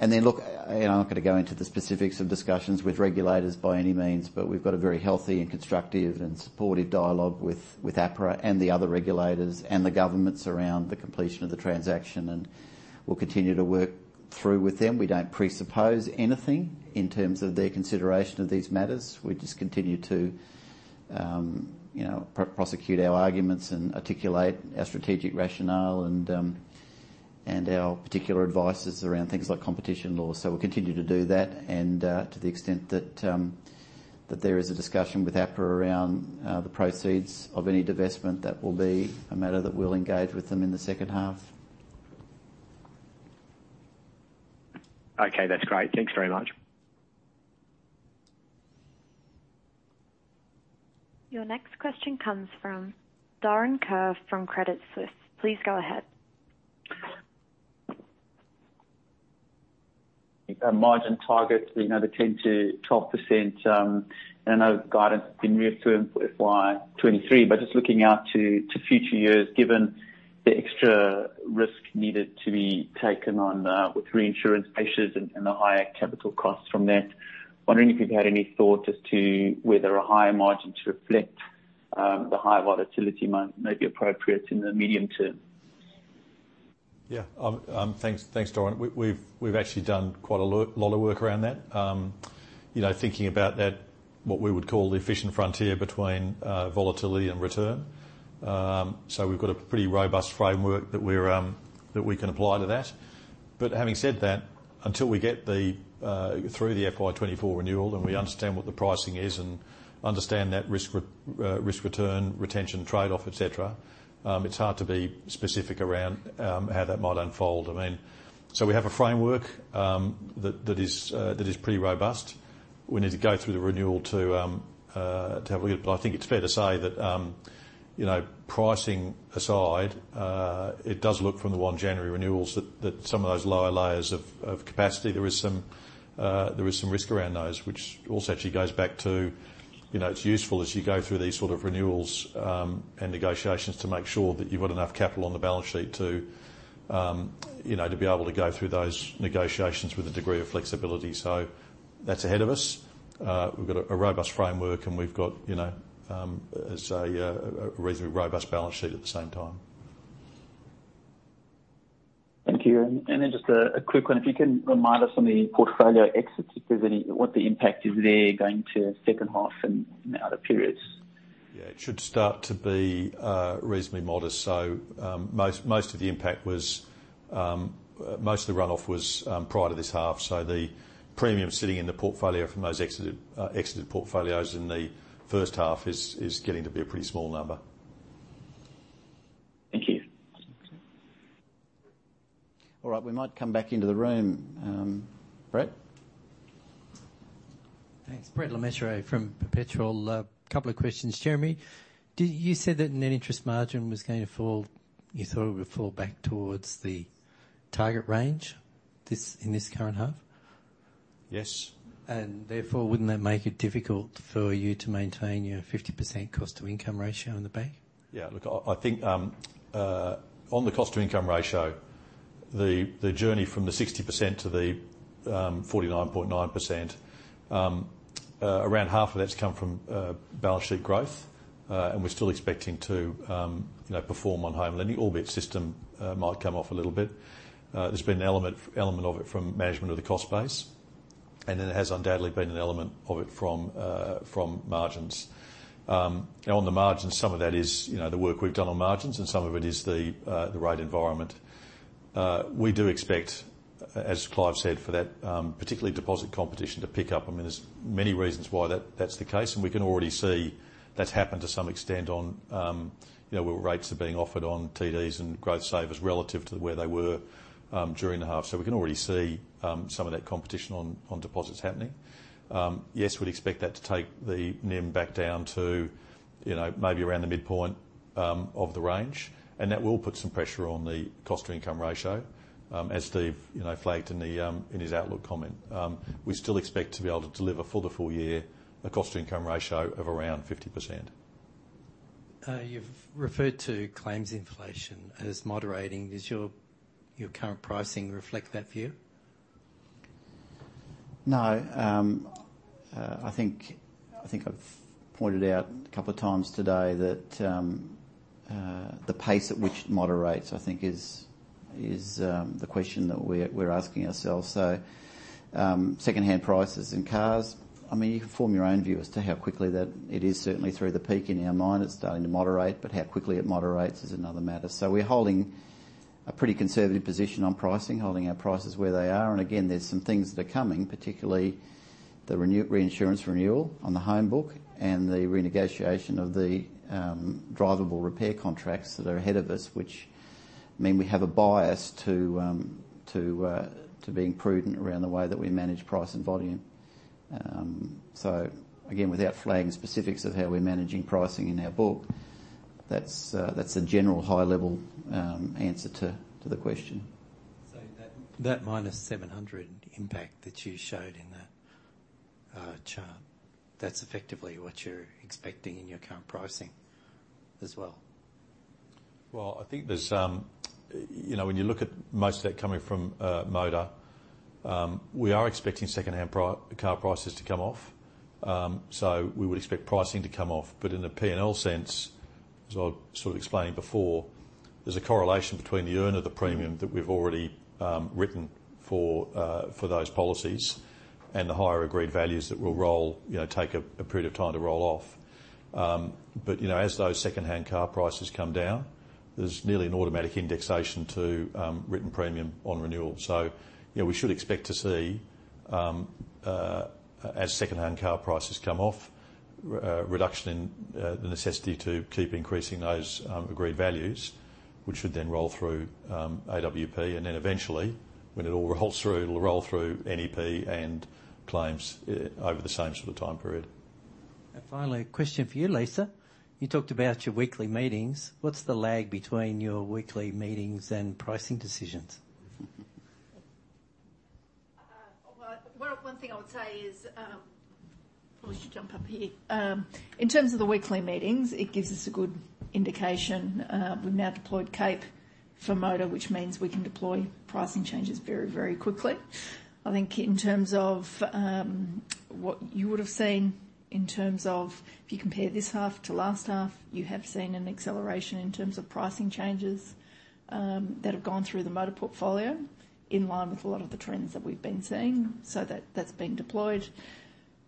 Speaker 1: Look, you know, I'm not gonna go into the specifics of discussions with regulators by any means, but we've got a very healthy and constructive and supportive dialogue with APRA and the other regulators and the governments around the completion of the transaction, and we'll continue to work through with them. We don't presuppose anything in terms of their consideration of these matters. We just continue to, you know, prosecute our arguments and articulate our strategic rationale and our particular advices around things like competition law. We'll continue to do that. To the extent that there is a discussion with APRA around the proceeds of any divestment, that will be a matter that we'll engage with them in the second half.
Speaker 16: Okay, that's great. Thanks very much.
Speaker 11: Your next question comes from Doron Kur from Credit Suisse. Please go ahead.
Speaker 17: Margin targets, you know, the 10%-12%, and I know the guidance has been reaffirmed for FY 2023, but just looking out to future years, given the extra risk needed to be taken on, with reinsurance ratios and the higher capital costs from that, wondering if you've had any thoughts as to whether a higher margin to reflect, the higher volatility may be appropriate in the medium term?
Speaker 2: Yeah. Thanks, Doron. We've actually done quite a lot of work around that. you know, thinking about that, what we would call the efficient frontier between volatility and return. We've got a pretty robust framework that we can apply to that. Having said that, until we get through the FY 2024 renewal and we understand what the pricing is and understand that risk return, retention trade-off, et cetera, it's hard to be specific around how that might unfold. I mean. We have a framework that is pretty robust. We need to go through the renewal to have a look at it. I think it's fair to say that, you know, pricing aside, it does look from the 1 January renewals that some of those lower layers of capacity, there is some, there is some risk around those, which also actually goes back to, you know, it's useful as you go through these sort of renewals, and negotiations to make sure that you've got enough capital on the balance sheet to, you know, to be able to go through those negotiations with a degree of flexibility. That's ahead of us. We've got a robust framework, and we've got, you know, as I say, a reasonably robust balance sheet at the same time.
Speaker 17: Thank you. Just a quick one. If you can remind us on the portfolio exits, if there's any, what the impact is there going to second half and in the other periods?
Speaker 2: Yeah. It should start to be reasonably modest. Most of the impact was, most of the run-off was prior to this half. The premium sitting in the portfolio from those exited portfolios in the first half is getting to be a pretty small number.
Speaker 17: Thank you.
Speaker 1: All right. We might come back into the room. Brett?
Speaker 18: Thanks. Brett Le Mesurier from Perpetual. A couple of questions. Jeremy, You said that net interest margin was going to fall, you thought it would fall back towards the target range this, in this current half?
Speaker 2: Yes.
Speaker 18: Wouldn't that make it difficult for you to maintain your 50% cost to income ratio in the bank?
Speaker 2: On the cost to income ratio, the journey from the 60% to the 49.9%, around half of that's come from balance sheet growth, and we're still expecting to, you know, perform on home lending, albeit system might come off a little bit. There's been an element of it from management of the cost base, there has undoubtedly been an element of it from margins. On the margins, some of that is, you know, the work we've done on margins, and some of it is the rate environment. We do expect, as Clive said, for that, particularly deposit competition to pick up. I mean, there's many reasons why that's the case, and we can already see that's happened to some extent on, you know, where rates are being offered on TDs and growth savers relative to where they were, during the half. We can already see, some of that competition on deposits happening. We'd expect that to take the NIM back down to, you know, maybe around the midpoint, of the range, and that will put some pressure on the cost to income ratio, as Steve, you know, flagged in the in his outlook comment. We still expect to be able to deliver for the full year a cost to income ratio of around 50%.
Speaker 18: You've referred to claims inflation as moderating. Does your current pricing reflect that view?
Speaker 1: No. I think I've pointed out a couple of times today that the pace at which it moderates, I think, is the question that we're asking ourselves. secondhand prices in cars, I mean, you can form your own view as to how quickly. It is certainly through the peak in our mind. It's starting to moderate, but how quickly it moderates is another matter. We're holding a pretty conservative position on pricing, holding our prices where they are. There's some things that are coming, particularly reinsurance renewal on the home book and the renegotiation of the drivable repair contracts that are ahead of us, which mean we have a bias to being prudent around the way that we manage price and volume. Again, without flagging specifics of how we're managing pricing in our book, that's a general high level, answer to the question.
Speaker 18: That minus 700 impact that you showed in that chart, that's effectively what you're expecting in your current pricing as well?
Speaker 2: Well, I think there's, you know, when you look at most of that coming from motor, we are expecting secondhand car prices to come off. We would expect pricing to come off. In a P&L sense, as I sort of explained before, there's a correlation between the earn of the premium that we've already written for those policies and the higher agreed values that will roll, you know, take a period of time to roll off. You know, as those secondhand car prices come down, there's nearly an automatic indexation to written premium on renewal. You know, we should expect to see, as secondhand car prices come off, re-reduction in the necessity to keep increasing those agreed values, which should then roll through AWP, and then eventually, when it all rolls through, it'll roll through NEP and claims, over the same sort of time period.
Speaker 18: Finally, a question for you, Lisa. You talked about your weekly meetings. What's the lag between your weekly meetings and pricing decisions?
Speaker 15: Well, one thing I would say is, I should jump up here. In terms of the weekly meetings, it gives us a good indication. We've now deployed CAPE for motor, which means we can deploy pricing changes very quickly. I think in terms of what you would have seen in terms of if you compare this half to last half, you have seen an acceleration in terms of pricing changes that have gone through the motor portfolio in line with a lot of the trends that we've been seeing. That's been deployed.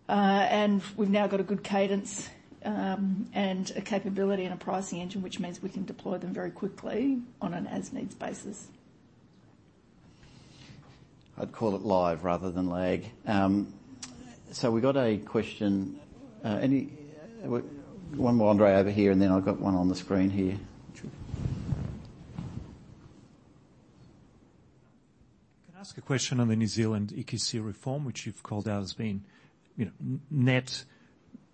Speaker 15: We've now got a good cadence and a capability and a pricing engine, which means we can deploy them very quickly on an as needs basis.
Speaker 1: I'd call it live rather than lag. We got a question. One more, Andre, over here, and then I've got one on the screen here.
Speaker 5: Can I ask a question on the New Zealand EQC reform, which you've called out as being, you know, net,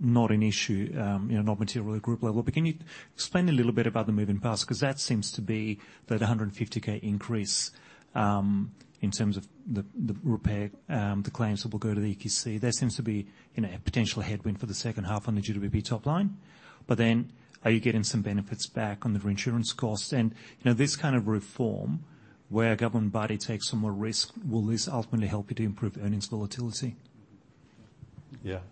Speaker 5: not an issue, you know, not materially at Group level. Can you explain a little bit about the move in the past? That seems to be that a 150k increase in terms of the repair, the claims that will go to the EQC. There seems to be, you know, a potential headwind for the second half on the GWP top line. Are you getting some benefits back on the reinsurance cost? You know, this kind of reform where a government body takes some more risk, will this ultimately help you to improve earnings volatility?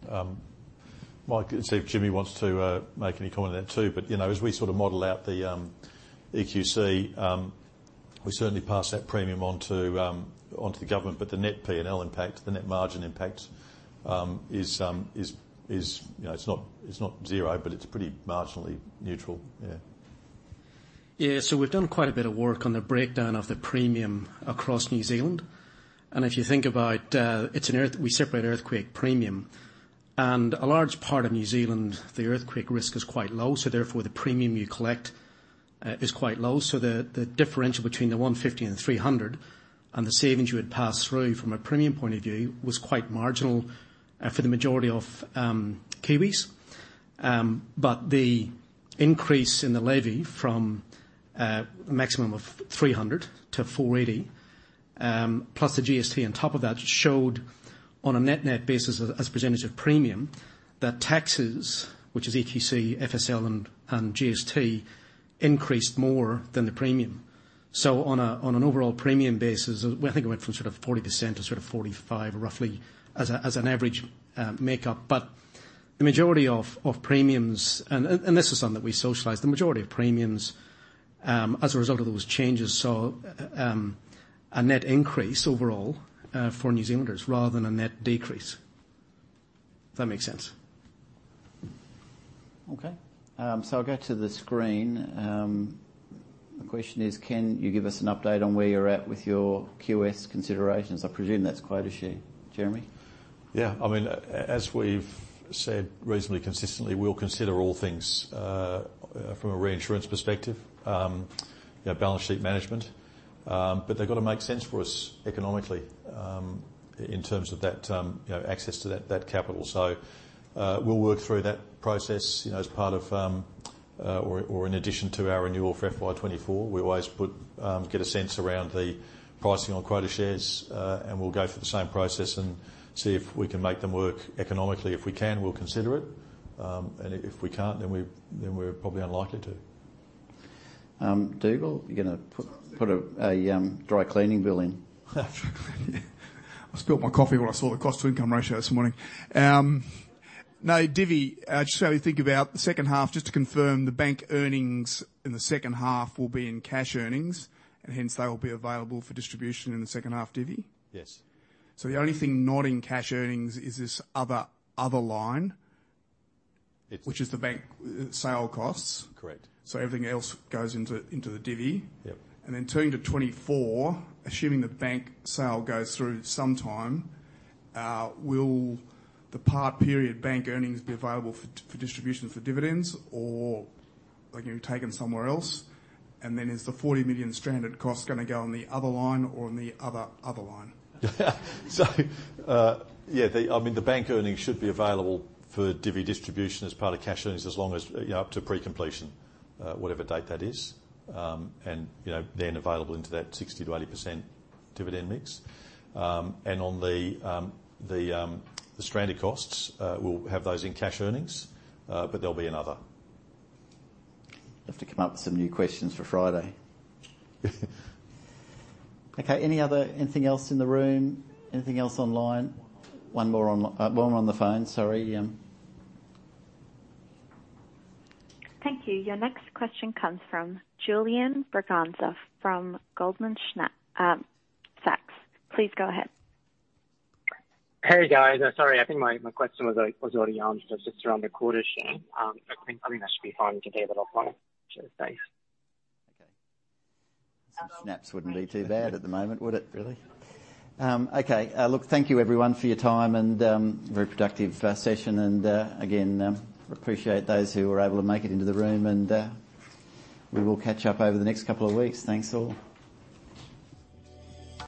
Speaker 5: Well I can see if Jimmy wants to make any comment on that too. You know, as we sort of model out the EQC, we certainly pass that premium on to on to the government. The net P&L impact, the net margin impact, is, you know, it's not zero, but it's pretty marginally neutral. We've done quite a bit of work on the breakdown of the premium across New Zealand. If you think about, we separate earthquake premium. A large part of New Zealand, the earthquake risk is quite low, therefore the premium you collect is quite low. The differential between the 150 and the 300, and the savings you would pass through from a premium point of view was quite marginal for the majority of Kiwis. The increase in the levy from a maximum of 300-480, plus the GST on top of that showed on a net-net basis as a % of premium, that taxes, which is EQC, FSL and GST, increased more than the premium. On a, on an overall premium basis, I think it went from sort of 40% to sort of 45 roughly as a, as an average makeup. The majority of premiums, and this is something that we socialized. The majority of premiums, as a result of those changes, saw a net increase overall for New Zealanders rather than a net decrease. If that makes sense?
Speaker 1: Okay. I'll go to the screen. The question is, can you give us an update on where you're at with your QS considerations? I presume that's quota share, Jeremy?
Speaker 2: Yeah. I mean, as we've said reasonably consistently, we'll consider all things from a reinsurance perspective, you know, balance sheet management. They've got to make sense for us economically, in terms of that, you know, access to that capital. We'll work through that process, you know, as part of, or in addition to our renewal for FY 2024. We always put, get a sense around the pricing on quota shares, and we'll go through the same process and see if we can make them work economically. If we can, we'll consider it. If, if we can't, then we're probably unlikely to.
Speaker 1: Dougal, you gonna put a dry cleaning bill in?
Speaker 19: I spilled my coffee when I saw the cost to income ratio this morning. No divvy. I just try to think about the second half just to confirm the bank earnings in the second half will be in cash earnings, and hence they will be available for distribution in the second half divvy.
Speaker 2: Yes.
Speaker 19: The only thing not in cash earnings is this other line.
Speaker 2: It's-
Speaker 19: Which is the bank sale costs.
Speaker 2: Correct.
Speaker 19: Everything else goes into the divvy.
Speaker 2: Yep.
Speaker 19: Turning to 2024, assuming the bank sale goes through sometime, will the part period bank earnings be available for distribution for dividends or, like, you know, taken somewhere else? Is the 40 million stranded cost gonna go on the other line or on the other line?
Speaker 2: Yeah, I mean, the bank earnings should be available for divvy distribution as part of cash earnings as long as, you know, up to pre-completion, whatever date that is. You know, then available into that 60%-80% dividend mix. On the stranded costs, we'll have those in cash earnings, but there'll be another.
Speaker 1: Have to come up with some new questions for Friday. Okay. Anything else in the room? Anything else online? One more on the phone, sorry.
Speaker 11: Thank you. Your next question comes from Julian Braganza from Goldman Sachs. Please go ahead.
Speaker 20: Hey, guys. Sorry, I think my question was already answered just around the quota share. I think that should be fine to be able to follow. Thanks.
Speaker 1: Okay. Some schnapps wouldn't be too bad at the moment, would it really? Okay. Look, thank you everyone for your time and very productive session and again, appreciate those who were able to make it into the room. We will catch up over the next couple of weeks. Thanks all.